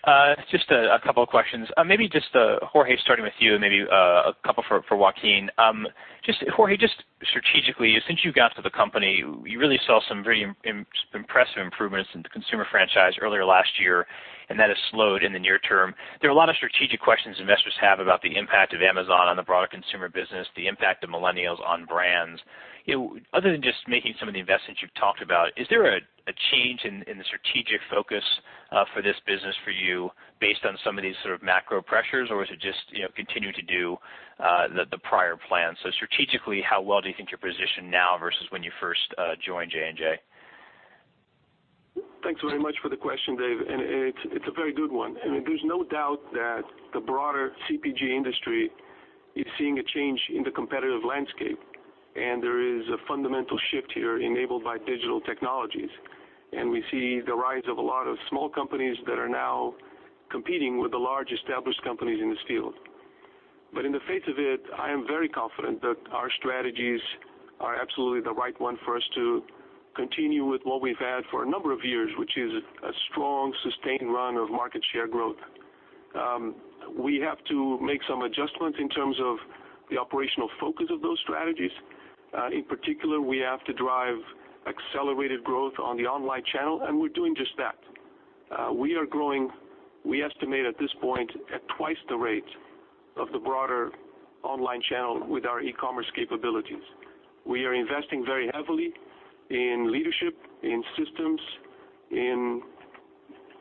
Just a couple of questions. Maybe just, Jorge, starting with you, and maybe a couple for Joaquin. Jorge, just strategically, since you got to the company, we really saw some very impressive improvements in the consumer franchise earlier last year, and that has slowed in the near term. There are a lot of strategic questions investors have about the impact of Amazon on the broader consumer business, the impact of millennials on brands. Other than just making some of the investments you've talked about, is there a change in the strategic focus for this business for you based on some of these sort of macro pressures? Or is it just continue to do the prior plan? Strategically, how well do you think you're positioned now versus when you first joined J&J? Thanks very much for the question, Dave, it's a very good one. There's no doubt that the broader CPG industry is seeing a change in the competitive landscape, there is a fundamental shift here enabled by digital technologies. We see the rise of a lot of small companies that are now competing with the large established companies in this field. In the face of it, I am very confident that our strategies are absolutely the right one for us to continue with what we've had for a number of years, which is a strong, sustained run of market share growth. We have to make some adjustments in terms of the operational focus of those strategies. In particular, we have to drive accelerated growth on the online channel, we're doing just that. We are growing, we estimate at this point, at twice the rate of the broader online channel with our e-commerce capabilities. We are investing very heavily in leadership, in systems, in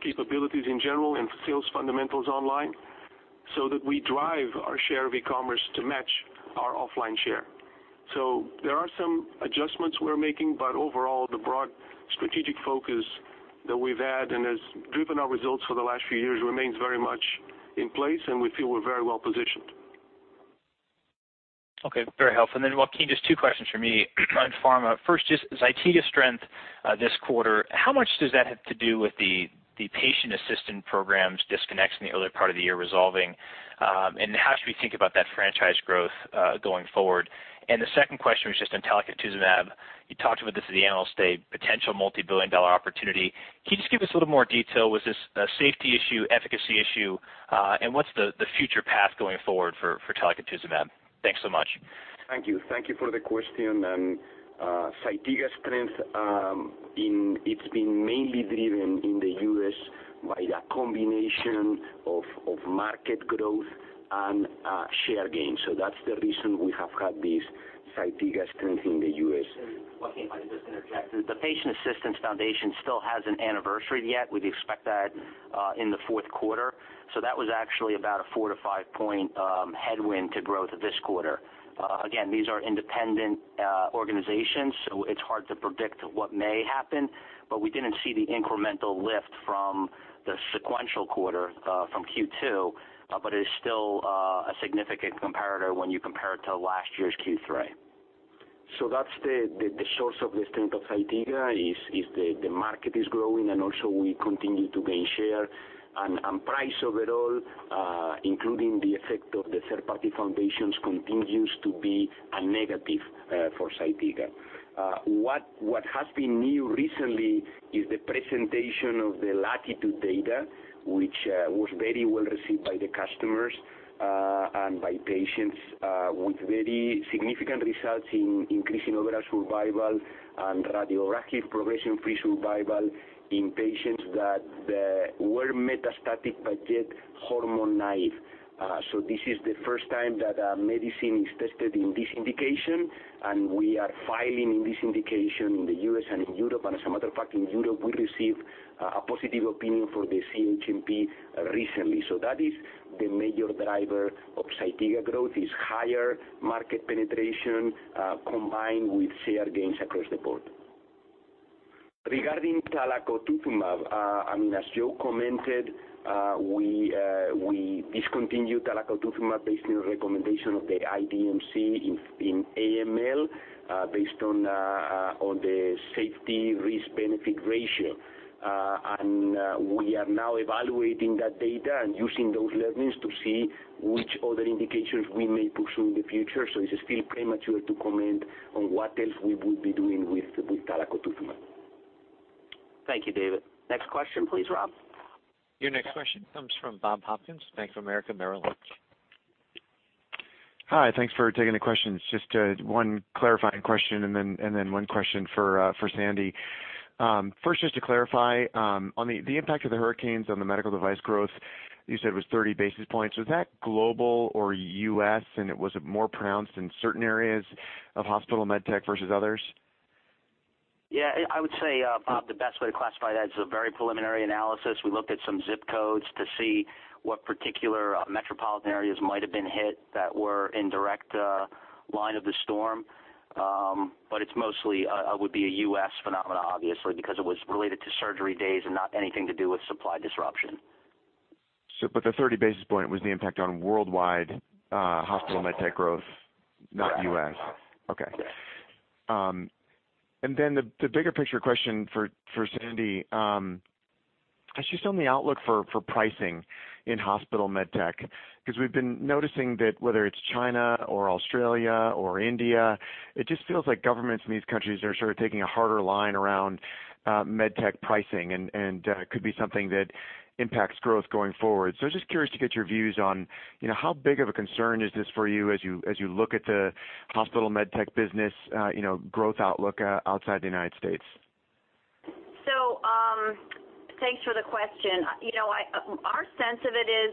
capabilities in general, in sales fundamentals online, that we drive our share of e-commerce to match our offline share. There are some adjustments we're making, overall, the broad strategic focus that we've had and has driven our results for the last few years remains very much in place, we feel we're very well positioned. Okay. Very helpful. Joaquin, just two questions from me on pharma. First, just ZYTIGA strength this quarter. How much does that have to do with the patient assistance programs disconnects in the earlier part of the year resolving? How should we think about that franchise growth going forward? The second question was just on talquetamab. You talked about this at the Analyst Day, potential $multi-billion opportunity. Can you just give us a little more detail? Was this a safety issue, efficacy issue? What's the future path going forward for talquetamab? Thanks so much. Thank you. Thank you for the question. ZYTIGA strength, it's been mainly driven in the U.S. by a combination of market growth and share gains. That's the reason we have had this ZYTIGA strength in the U.S. Joaquin, if I could just interject. The Patient Assistance Foundation still has an anniversary yet. We'd expect that in the fourth quarter. That was actually about a four to five point headwind to growth this quarter. Again, these are independent organizations, so it's hard to predict what may happen. We didn't see the incremental lift from the sequential quarter from Q2, but it is still a significant comparator when you compare it to last year's Q3. That's the source of the strength of ZYTIGA is the market is growing and also we continue to gain share. Price overall, including the effect of the third-party foundations, continues to be a negative for ZYTIGA. What has been new recently is the presentation of the LATITUDE data, which was very well received by the customers and by patients with very significant results in increasing overall survival and radiographic progression-free survival in patients that were metastatic but yet hormone-naïve. This is the first time that a medicine is tested in this indication, and we are filing in this indication in the U.S. and in Europe. As a matter of fact, in Europe, we received a positive opinion for the CHMP recently. That is the major driver of ZYTIGA growth, is higher market penetration combined with share gains across the board. Regarding talquetamab, as Joe commented, we discontinued talquetamab based on recommendation of the IDMC in AML, based on the safety risk/benefit ratio. We are now evaluating that data and using those learnings to see which other indications we may pursue in the future. It's still premature to comment on what else we would be doing with talquetamab. Thank you, David. Next question, please, Rob. Your next question comes from Bob Hopkins, Bank of America Merrill Lynch. Hi. Thanks for taking the questions. Just one clarifying question and then one question for Sandi. First, just to clarify on the impact of the hurricanes on the medical device growth, you said was 30 basis points. Was that global or U.S., and was it more pronounced in certain areas of hospital med tech versus others? I would say, Bob, the best way to classify that is a very preliminary analysis. We looked at some zip codes to see what particular metropolitan areas might have been hit that were in direct line of the storm. It mostly would be a U.S. phenomena, obviously, because it was related to surgery days and not anything to do with supply disruption. The 30 basis points was the impact on worldwide hospital med tech growth, not U.S. Correct. The bigger picture question for Sandi is just on the outlook for pricing in hospital med tech, because we've been noticing that whether it's China or Australia or India, it just feels like governments in these countries are sort of taking a harder line around med tech pricing and could be something that impacts growth going forward. Just curious to get your views on how big of a concern is this for you as you look at the hospital med tech business growth outlook outside the United States. Thanks for the question. Our sense of it is,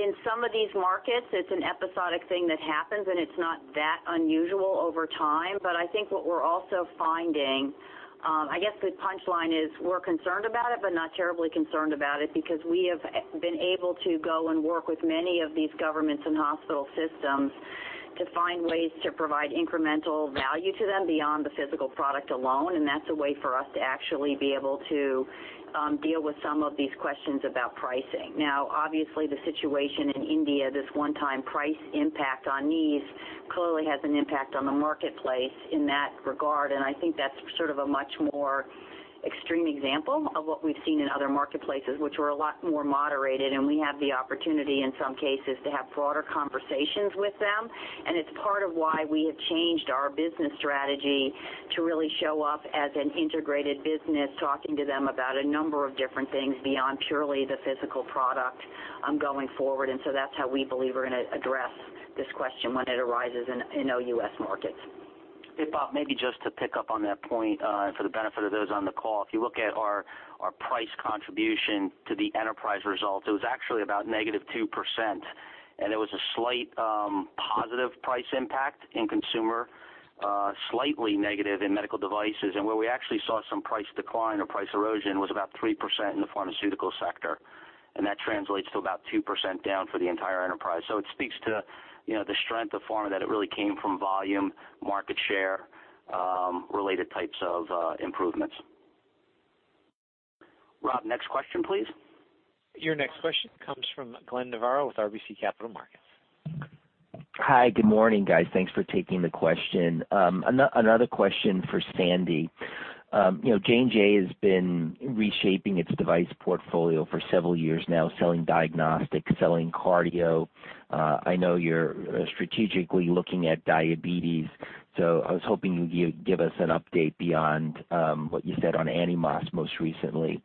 in some of these markets, it's an episodic thing that happens, and it's not that unusual over time. I think what we're also finding, I guess the punchline is we're concerned about it, but not terribly concerned about it, because we have been able to go and work with many of these governments and hospital systems to find ways to provide incremental value to them beyond the physical product alone. That's a way for us to actually be able to deal with some of these questions about pricing. Obviously, the situation in India, this one time price impact on knees clearly has an impact on the marketplace in that regard. I think that's sort of a much more extreme example of what we've seen in other marketplaces, which were a lot more moderated. We have the opportunity, in some cases, to have broader conversations with them. It's part of why we have changed our business strategy to really show up as an integrated business, talking to them about a number of different things beyond purely the physical product going forward. That's how we believe we're going to address this question when it arises in OUS markets. Hey, Bob, maybe just to pick up on that point for the benefit of those on the call. If you look at our price contribution to the enterprise results, it was actually about -2%. It was a slight positive price impact in consumer, slightly negative in medical devices. Where we actually saw some price decline or price erosion was about 3% in the pharmaceutical sector, that translates to about 2% down for the entire enterprise. It speaks to the strength of pharma that it really came from volume, market share related types of improvements. Rob, next question, please. Your next question comes from Glenn Novarro with RBC Capital Markets. Hi. Good morning, guys. Thanks for taking the question. Another question for Sandi. J&J has been reshaping its device portfolio for several years now, selling diagnostic, selling cardio. I know you're strategically looking at diabetes, so I was hoping you'd give us an update beyond what you said on Animas most recently.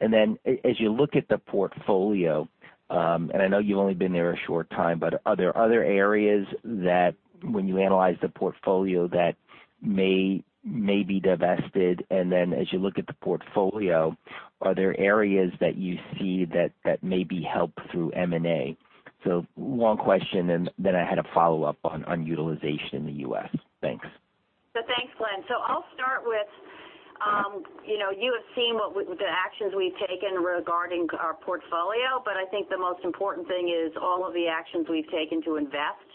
As you look at the portfolio, and I know you've only been there a short time, but are there other areas that when you analyze the portfolio that may be divested? As you look at the portfolio, are there areas that you see that may be helped through M&A? One question, then I had a follow up on utilization in the U.S. Thanks. Thanks, Glenn. I'll start with, you have seen the actions we've taken regarding our portfolio, but I think the most important thing is all of the actions we've taken to invest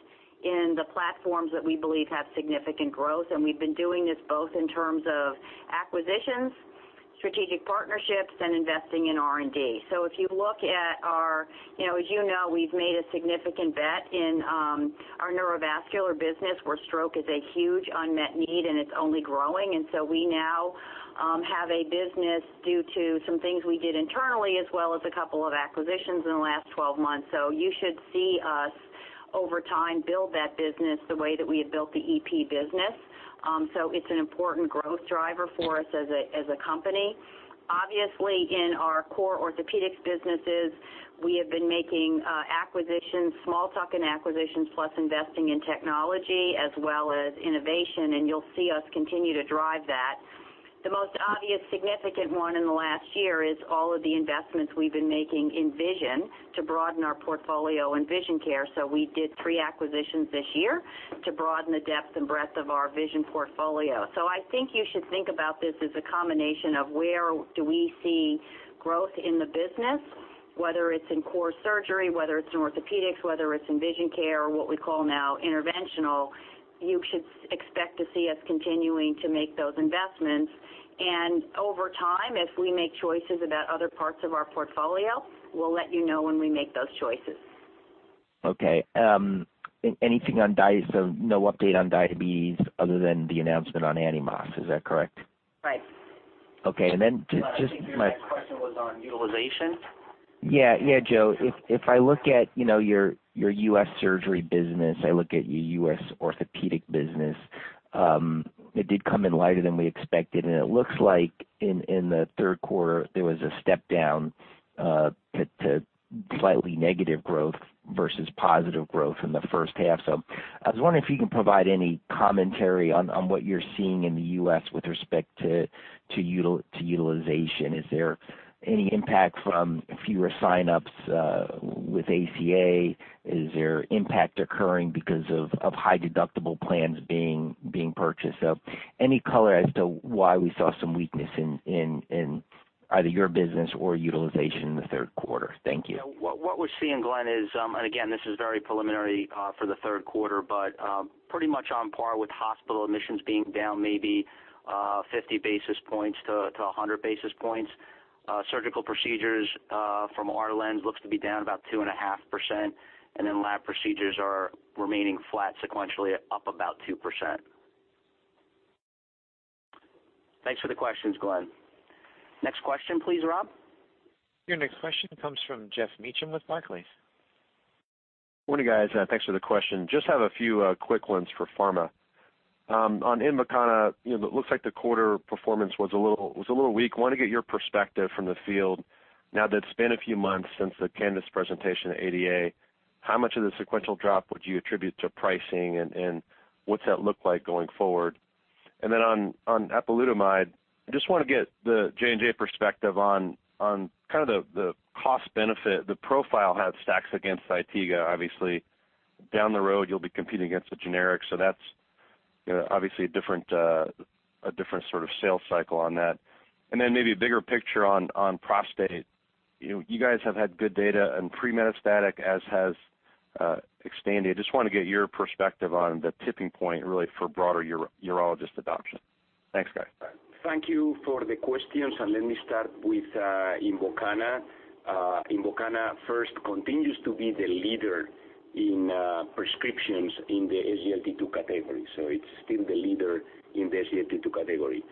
in the platforms that we believe have significant growth. We've been doing this both in terms of acquisitions, strategic partnerships, and investing in R&D. As you know, we've made a significant bet in our neurovascular business, where stroke is a huge unmet need, and it's only growing. We now have a business due to some things we did internally as well as a couple of acquisitions in the last 12 months. You should see us over time build that business the way that we had built the EP business. It's an important growth driver for us as a company. Obviously, in our core orthopedics businesses, we have been making acquisitions, small tuck-in acquisitions, plus investing in technology as well as innovation, you'll see us continue to drive that. The most obvious significant one in the last year is all of the investments we've been making in vision to broaden our portfolio in vision care. We did three acquisitions this year to broaden the depth and breadth of our vision portfolio. I think you should think about this as a combination of where do we see growth in the business, whether it's in core surgery, whether it's in orthopedics, whether it's in vision care, or what we call now interventional. You should expect to see us continuing to make those investments. Over time, if we make choices about other parts of our portfolio, we'll let you know when we make those choices. Okay. No update on diabetes other than the announcement on Animas. Is that correct? Right. Okay. I think your next question was on utilization. Yeah, Joe, if I look at your U.S. surgery business, I look at your U.S. orthopedic business, it did come in lighter than we expected, and it looks like in the third quarter, there was a step down to slightly negative growth versus positive growth in the first half. I was wondering if you can provide any commentary on what you're seeing in the U.S. with respect to utilization. Is there any impact from fewer sign-ups with ACA? Is there impact occurring because of high deductible plans being purchased? Any color as to why we saw some weakness in either your business or utilization in the third quarter. Thank you. Yeah. What we're seeing, Glenn, is, again, this is very preliminary for the third quarter, but pretty much on par with hospital admissions being down maybe 50 basis points to 100 basis points. Surgical procedures, from our lens, looks to be down about 2.5%, then lab procedures are remaining flat sequentially up about 2%. Thanks for the questions, Glenn. Next question please, Bob. Your next question comes from Geoff Meacham with Barclays. Morning, guys. Thanks for the question. Just have a few quick ones for pharma. On INVOKANA, it looks like the quarter performance was a little weak. Want to get your perspective from the field now that it's been a few months since the CANVAS presentation at ADA. How much of the sequential drop would you attribute to pricing, and what's that look like going forward? On apalutamide, I just want to get the J&J perspective on kind of the cost benefit, the profile stacks against ZYTIGA. Obviously, down the road, you'll be competing against the generics, so that's obviously a different sort of sales cycle on that. Maybe a bigger picture on prostate. You guys have had good data on pre-metastatic, as has XTANDI. I just want to get your perspective on the tipping point, really, for broader urologist adoption. Thanks, guys. Thank you for the questions. Let me start with INVOKANA. INVOKANA first continues to be the leader in prescriptions in the SGLT2 category, so it's still the leader in the SGLT2 category.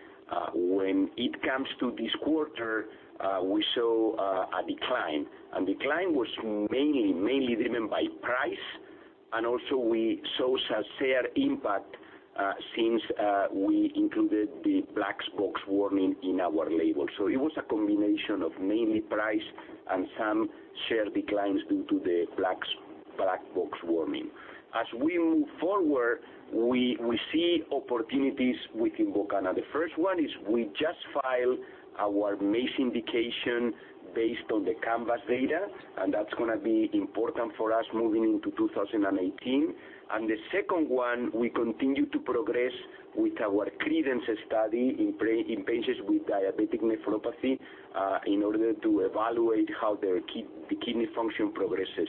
When it comes to this quarter, we saw a decline was mainly driven by price, we saw some share impact since we included the black box warning in our label. It was a combination of mainly price and some share declines due to the black box warning. As we move forward, we see opportunities with INVOKANA. The first one is we just filed our MACE indication based on the CANVAS data, that's going to be important for us moving into 2018. The second one, we continue to progress with our CREDENCE study in patients with diabetic nephropathy in order to evaluate how their kidney function progresses.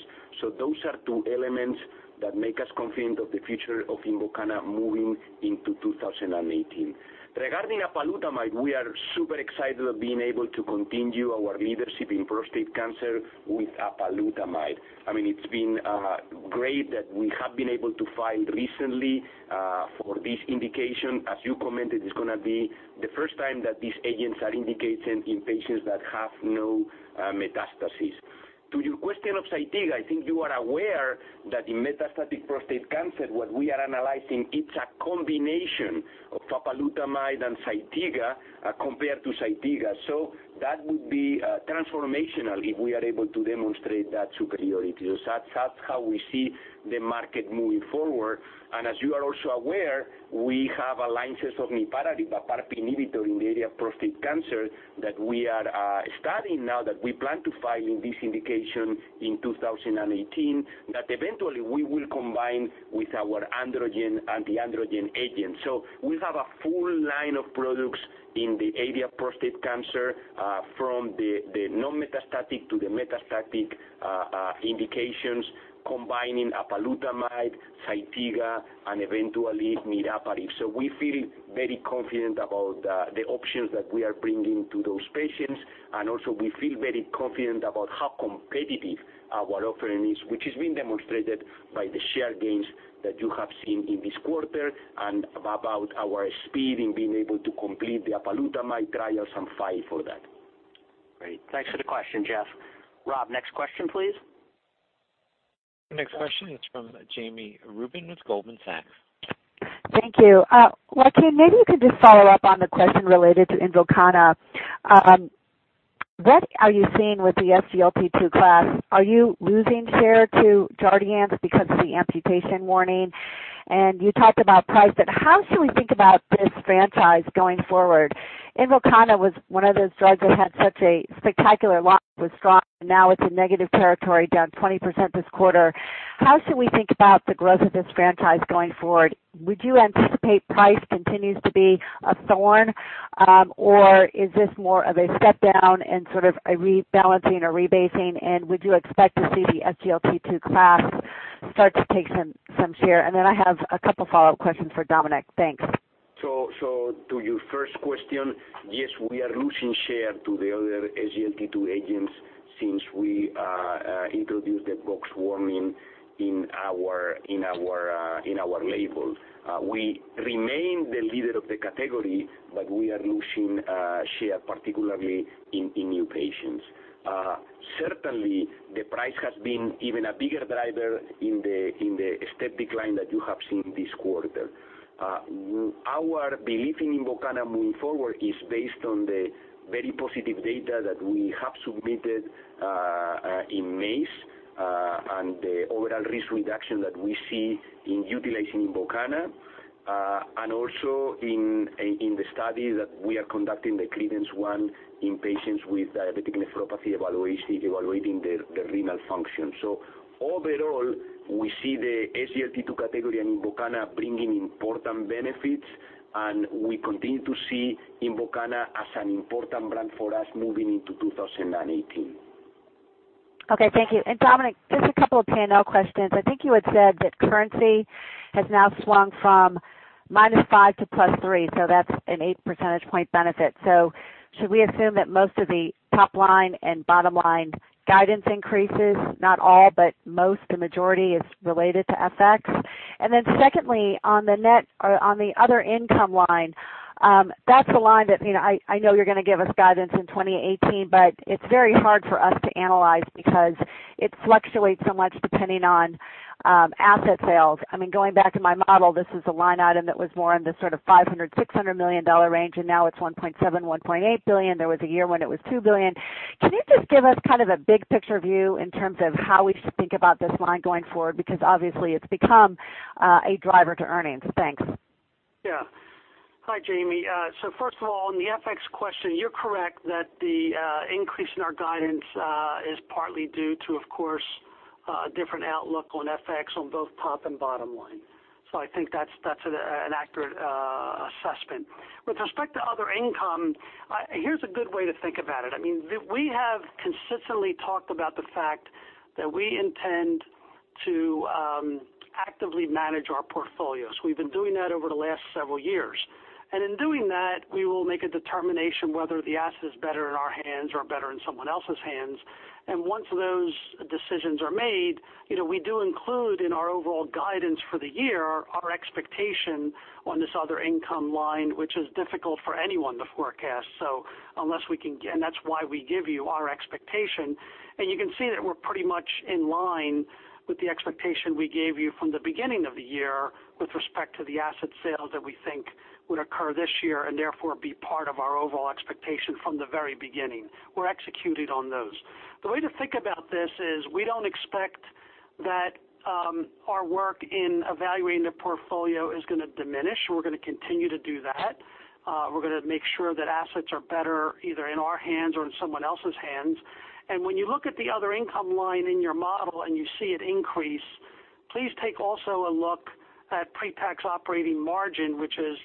Those are two elements that make us confident of the future of INVOKANA moving into 2018. Regarding apalutamide, we are super excited of being able to continue our leadership in prostate cancer with apalutamide. It's been great that we have been able to file recently for this indication. As you commented, it's going to be the first time that these agents are indicated in patients that have no metastases. To your question of ZYTIGA, I think you are aware that in metastatic prostate cancer, what we are analyzing, it's a combination of apalutamide and ZYTIGA compared to ZYTIGA. That would be transformational if we are able to demonstrate that superiority. That's how we see the market moving forward. As you are also aware, we have alliances of niraparib, a PARP inhibitor in the area of prostate cancer that we are studying now that we plan to file in this indication in 2018 that eventually we will combine with our androgen and the androgen agent. We have a full line of products in the area of prostate cancer from the non-metastatic to the metastatic indications, combining apalutamide, ZYTIGA, and eventually niraparib. We feel very confident about the options that we are bringing to those patients, and also we feel very confident about how competitive our offering is, which is being demonstrated by the share gains that you have seen in this quarter and about our speed in being able to complete the apalutamide trials and file for that. Great. Thanks for the question, Jeff. Bob, next question, please. Next question is from Jami Rubin with Goldman Sachs. Thank you. Joaquin, maybe you could just follow up on the question related to INVOKANA. What are you seeing with the SGLT2 class? Are you losing share to Jardiance because of the amputation warning? You talked about price, but how should we think about this franchise going forward? INVOKANA was one of those drugs that had such a spectacular launch, it was strong, and now it's in negative territory, down 20% this quarter. How should we think about the growth of this franchise going forward? Would you anticipate price continues to be a thorn? Is this more of a step down and sort of a rebalancing or rebasing? Would you expect to see the SGLT2 class start to take some share? Then I have a couple follow-up questions for Dominic. Thanks. To your first question, yes, we are losing share to the other SGLT2 agents since we introduced the box warning in our label. We remain the leader of the category, but we are losing share, particularly in new patients. Certainly, the price has been even a bigger driver in the step decline that you have seen this quarter. Our belief in INVOKANA moving forward is based on the very positive data that we have submitted in May and the overall risk reduction that we see in utilization in INVOKANA, and also in the study that we are conducting, the CREDENCE, in patients with diabetic nephropathy evaluation, evaluating the renal function. Overall, we see the SGLT2 category and INVOKANA bringing important benefits, and we continue to see INVOKANA as an important brand for us moving into 2018. Okay, thank you. Dominic, just a couple of P&L questions. I think you had said that currency has now swung from -5 to +3, so that's an eight percentage point benefit. Should we assume that most of the top-line and bottom-line guidance increases, not all, but most, the majority is related to FX? Then secondly, on the other income line, that's a line that I know you're going to give us guidance in 2018, but it's very hard for us to analyze because it fluctuates so much depending on asset sales. Going back to my model, this is a line item that was more on the sort of $500 million-$600 million range, and now it's $1.7 billion-$1.8 billion. There was a year when it was $2 billion. Can you just give us kind of a big-picture view in terms of how we should think about this line going forward? Because obviously, it's become a driver to earnings. Thanks. Yeah. Hi, Jami. First of all, on the FX question, you're correct that the increase in our guidance is partly due to, of course, a different outlook on FX on both top and bottom line. I think that's an accurate assessment. With respect to other income, here's a good way to think about it. We have consistently talked about the fact that we intend to actively manage our portfolios. We've been doing that over the last several years. In doing that, we will make a determination whether the asset is better in our hands or better in someone else's hands. Once those decisions are made, we do include in our overall guidance for the year our expectation on this other income line, which is difficult for anyone to forecast. That's why we give you our expectation. You can see that we're pretty much in line with the expectation we gave you from the beginning of the year with respect to the asset sales that we think would occur this year, and therefore be part of our overall expectation from the very beginning. We're executed on those. The way to think about this is we don't expect that our work in evaluating the portfolio is going to diminish. We're going to continue to do that. We're going to make sure that assets are better, either in our hands or in someone else's hands. When you look at the other income line in your model and you see it increase, please take also a look at pre-tax operating margin, which is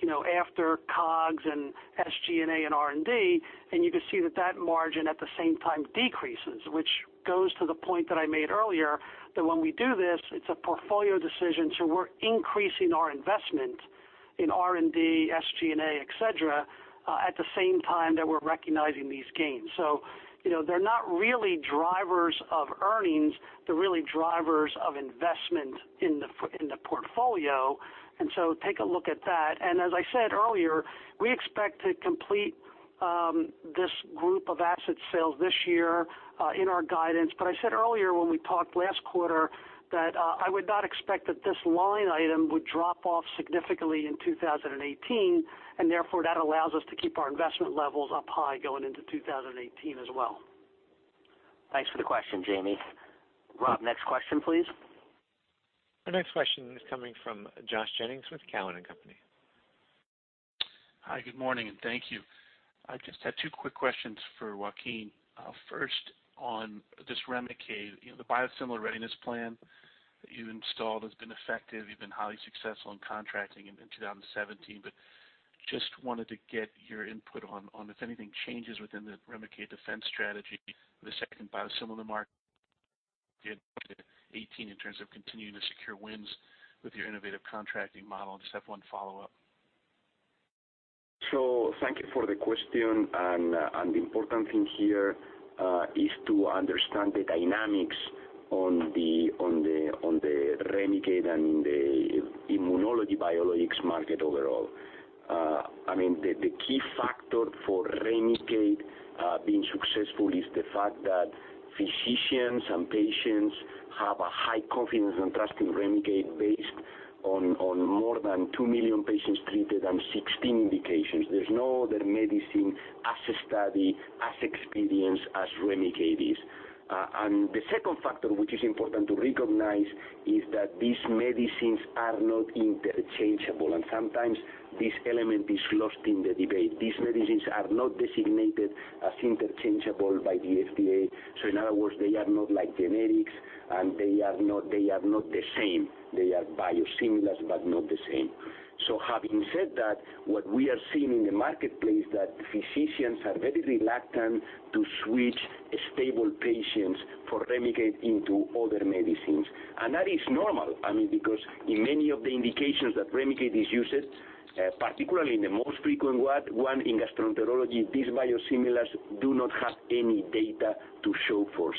after COGS and SG&A and R&D, and you can see that that margin at the same time decreases. Which goes to the point that I made earlier, that when we do this, it's a portfolio decision, we're increasing our investment in R&D, SG&A, et cetera, at the same time that we're recognizing these gains. They're not really drivers of earnings, they're really drivers of investment in the portfolio. Take a look at that. As I said earlier, we expect to complete this group of asset sales this year in our guidance. I said earlier when we talked last quarter that I would not expect that this line item would drop off significantly in 2018, and therefore that allows us to keep our investment levels up high going into 2018 as well. Thanks for the question, Jami. Rob, next question, please. Our next question is coming from Joshua Jennings with Cowen and Company. Hi, good morning, and thank you. I just had two quick questions for Joaquin. First on this REMICADE. The biosimilar readiness plan that you installed has been effective. You've been highly successful in contracting in 2017. Just wanted to get your input on if anything changes within the REMICADE defense strategy for the second biosimilar market 2018 in terms of continuing to secure wins with your innovative contracting model. I just have one follow-up. Thank you for the question. An important thing here is to understand the dynamics on the REMICADE and the immunology biologics market overall. The key factor for REMICADE being successful is the fact that physicians and patients have a high confidence and trust in REMICADE based on more than 2 million patients treated on 16 indications. There's no Medicine as a study, as experience as REMICADE is. The second factor, which is important to recognize, is that these medicines are not interchangeable, and sometimes this element is lost in the debate. These medicines are not designated as interchangeable by the FDA. In other words, they are not like generics and they are not the same. They are biosimilars, but not the same. Having said that, what we are seeing in the marketplace, that physicians are very reluctant to switch stable patients for REMICADE into other medicines. That is normal. Because in many of the indications that REMICADE is used, particularly in the most frequent one, in gastroenterology, these biosimilars do not have any data to show for.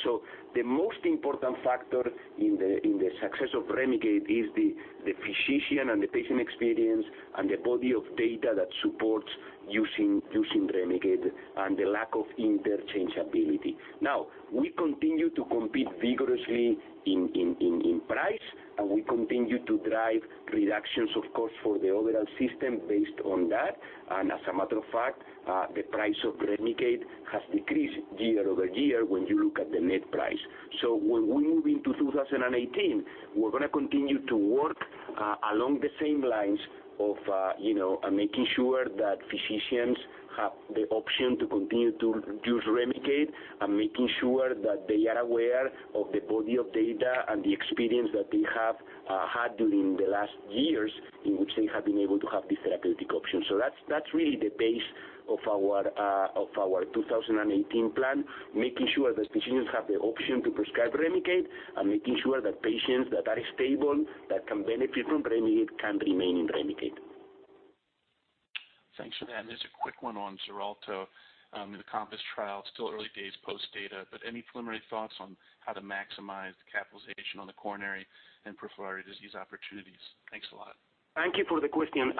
The most important factor in the success of REMICADE is the physician and the patient experience and the body of data that supports using REMICADE and the lack of interchangeability. Now, we continue to compete vigorously in price, and we continue to drive reductions of cost for the overall system based on that. As a matter of fact, the price of REMICADE has decreased year-over-year when you look at the net price. When we move into 2018, we're going to continue to work along the same lines of making sure that physicians have the option to continue to use REMICADE and making sure that they are aware of the body of data and the experience that they have had during the last years in which they have been able to have this therapeutic option. That's really the base of our 2018 plan, making sure that physicians have the option to prescribe REMICADE and making sure that patients that are stable that can benefit from REMICADE can remain in REMICADE. Thanks for that. Just a quick one on XARELTO. In the COMPASS trial, still early days, post-data, but any preliminary thoughts on how to maximize the capitalization on the coronary and peripheral artery disease opportunities? Thanks a lot. Thank you for the question. As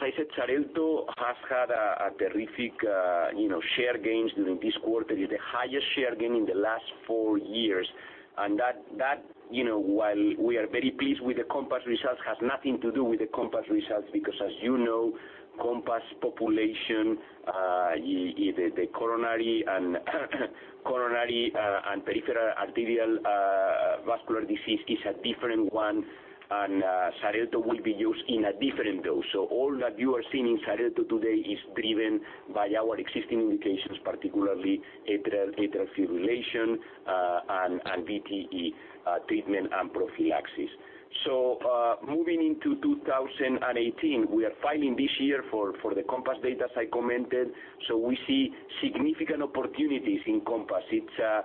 I said, XARELTO has had terrific share gains during this quarter, the highest share gain in the last four years. That, while we are very pleased with the COMPASS results, has nothing to do with the COMPASS results because as you know, COMPASS population, the coronary and peripheral arterial vascular disease is a different one and XARELTO will be used in a different dose. All that you are seeing in XARELTO today is driven by our existing indications, particularly atrial fibrillation and VTE treatment and prophylaxis. Moving into 2018, we are filing this year for the COMPASS data, as I commented. We see significant opportunities in COMPASS. It's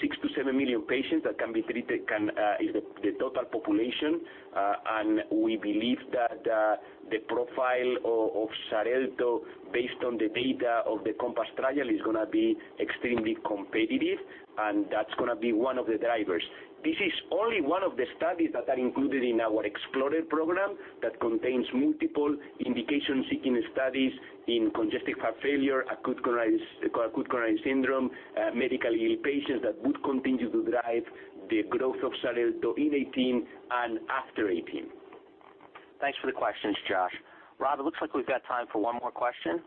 six to seven million patients that can be treated, is the total population. We believe that the profile of XARELTO, based on the data of the COMPASS trial, is going to be extremely competitive and that's going to be one of the drivers. This is only one of the studies that are included in our EXPLORER program that contains multiple indication-seeking studies in congestive heart failure, acute coronary syndrome, medically ill patients that would continue to drive the growth of XARELTO in 2018 and after 2018. Thanks for the questions, Josh. Bob, it looks like we've got time for one more question.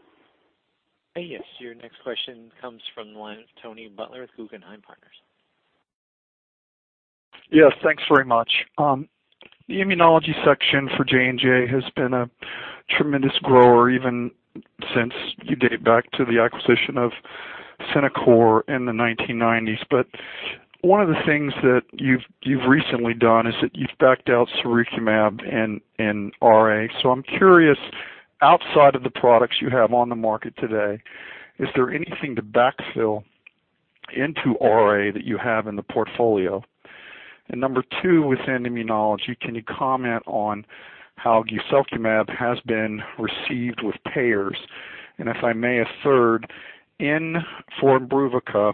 Your next question comes from the line of Tony Butler with Guggenheim Partners. Thanks very much. The immunology section for J&J has been a tremendous grower even since you date back to the acquisition of Centocor in the 1990s. One of the things that you've recently done is that you've backed out sirukumab in RA. I'm curious, outside of the products you have on the market today, is there anything to backfill into RA that you have in the portfolio? Number two, within immunology, can you comment on how guselkumab has been received with payers? If I may, a third, in for IMBRUVICA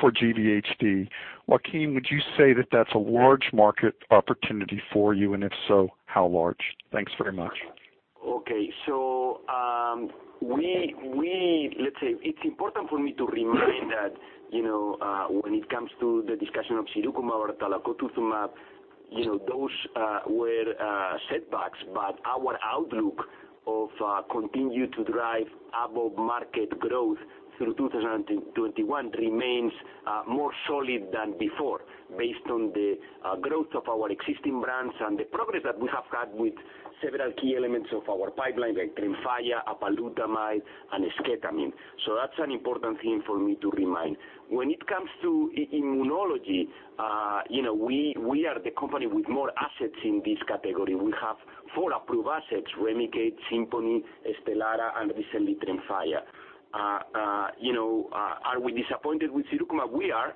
for GvHD, Joaquin, would you say that that's a large market opportunity for you, and if so, how large? Thanks very much. Let's say it's important for me to remind that, when it comes to the discussion of sirukumab or talquetamab, those were setbacks. Our outlook of continue to drive above-market growth through 2021 remains more solid than before based on the growth of our existing brands and the progress that we have had with several key elements of our pipeline like TREMFYA, apalutamide, and esketamine. That's an important thing for me to remind. When it comes to immunology, we are the company with more assets in this category. We have four approved assets, REMICADE, SIMPONI, STELARA and recently, TREMFYA. Are we disappointed with sirukumab? We are,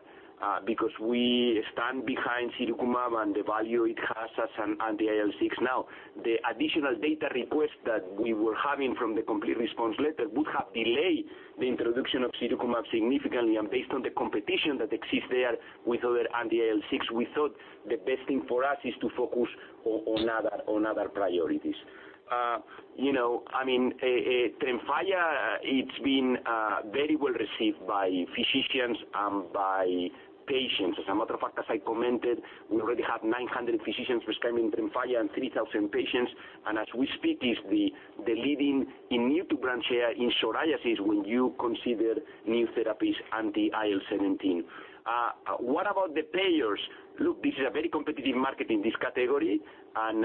because we stand behind sirukumab and the value it has as an anti-IL-6. Now, the additional data request that we were having from the complete response letter would have delayed the introduction of sirukumab significantly. Based on the competition that exists there with other anti-IL-6, we thought the best thing for us is to focus on other priorities. TREMFYA, it's been very well received by physicians and by patients. As a matter of fact, as I commented, we already have 900 physicians prescribing TREMFYA and 3,000 patients. As we speak, it's the leading in new to brand share in psoriasis when you consider new therapies anti-IL-17. What about the payers? This is a very competitive market in this category, and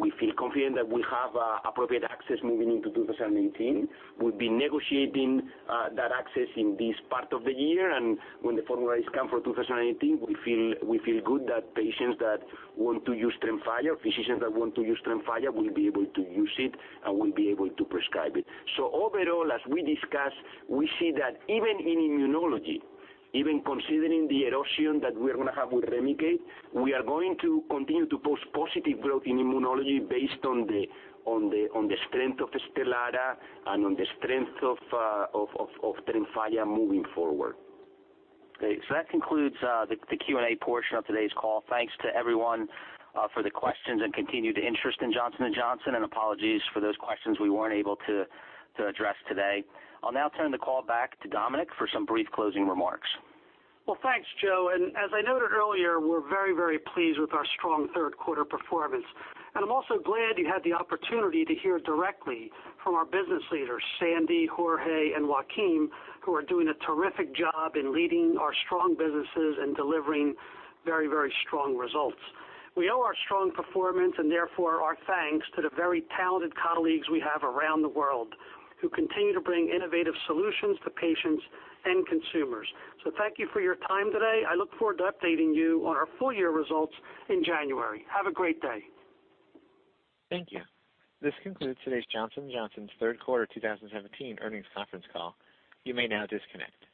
we feel confident that we have appropriate access moving into 2018. We've been negotiating that access in this part of the year, and when the formularies come for 2018, we feel good that patients that want to use TREMFYA, physicians that want to use TREMFYA will be able to use it and will be able to prescribe it. Overall, as we discussed, we see that even in immunology, even considering the erosion that we're going to have with REMICADE, we are going to continue to post positive growth in immunology based on the strength of STELARA and on the strength of TREMFYA moving forward. That concludes the Q&A portion of today's call. Thanks to everyone for the questions and continued interest in Johnson & Johnson, and apologies for those questions we weren't able to address today. I'll now turn the call back to Dominic for some brief closing remarks. Well, thanks, Joe, as I noted earlier, we're very, very pleased with our strong third quarter performance. I'm also glad you had the opportunity to hear directly from our business leaders, Sandi, Jorge, and Joaquin, who are doing a terrific job in leading our strong businesses and delivering very, very strong results. We owe our strong performance, and therefore our thanks to the very talented colleagues we have around the world who continue to bring innovative solutions to patients and consumers. Thank you for your time today. I look forward to updating you on our full-year results in January. Have a great day. Thank you. This concludes today's Johnson & Johnson's third quarter 2017 earnings conference call. You may now disconnect.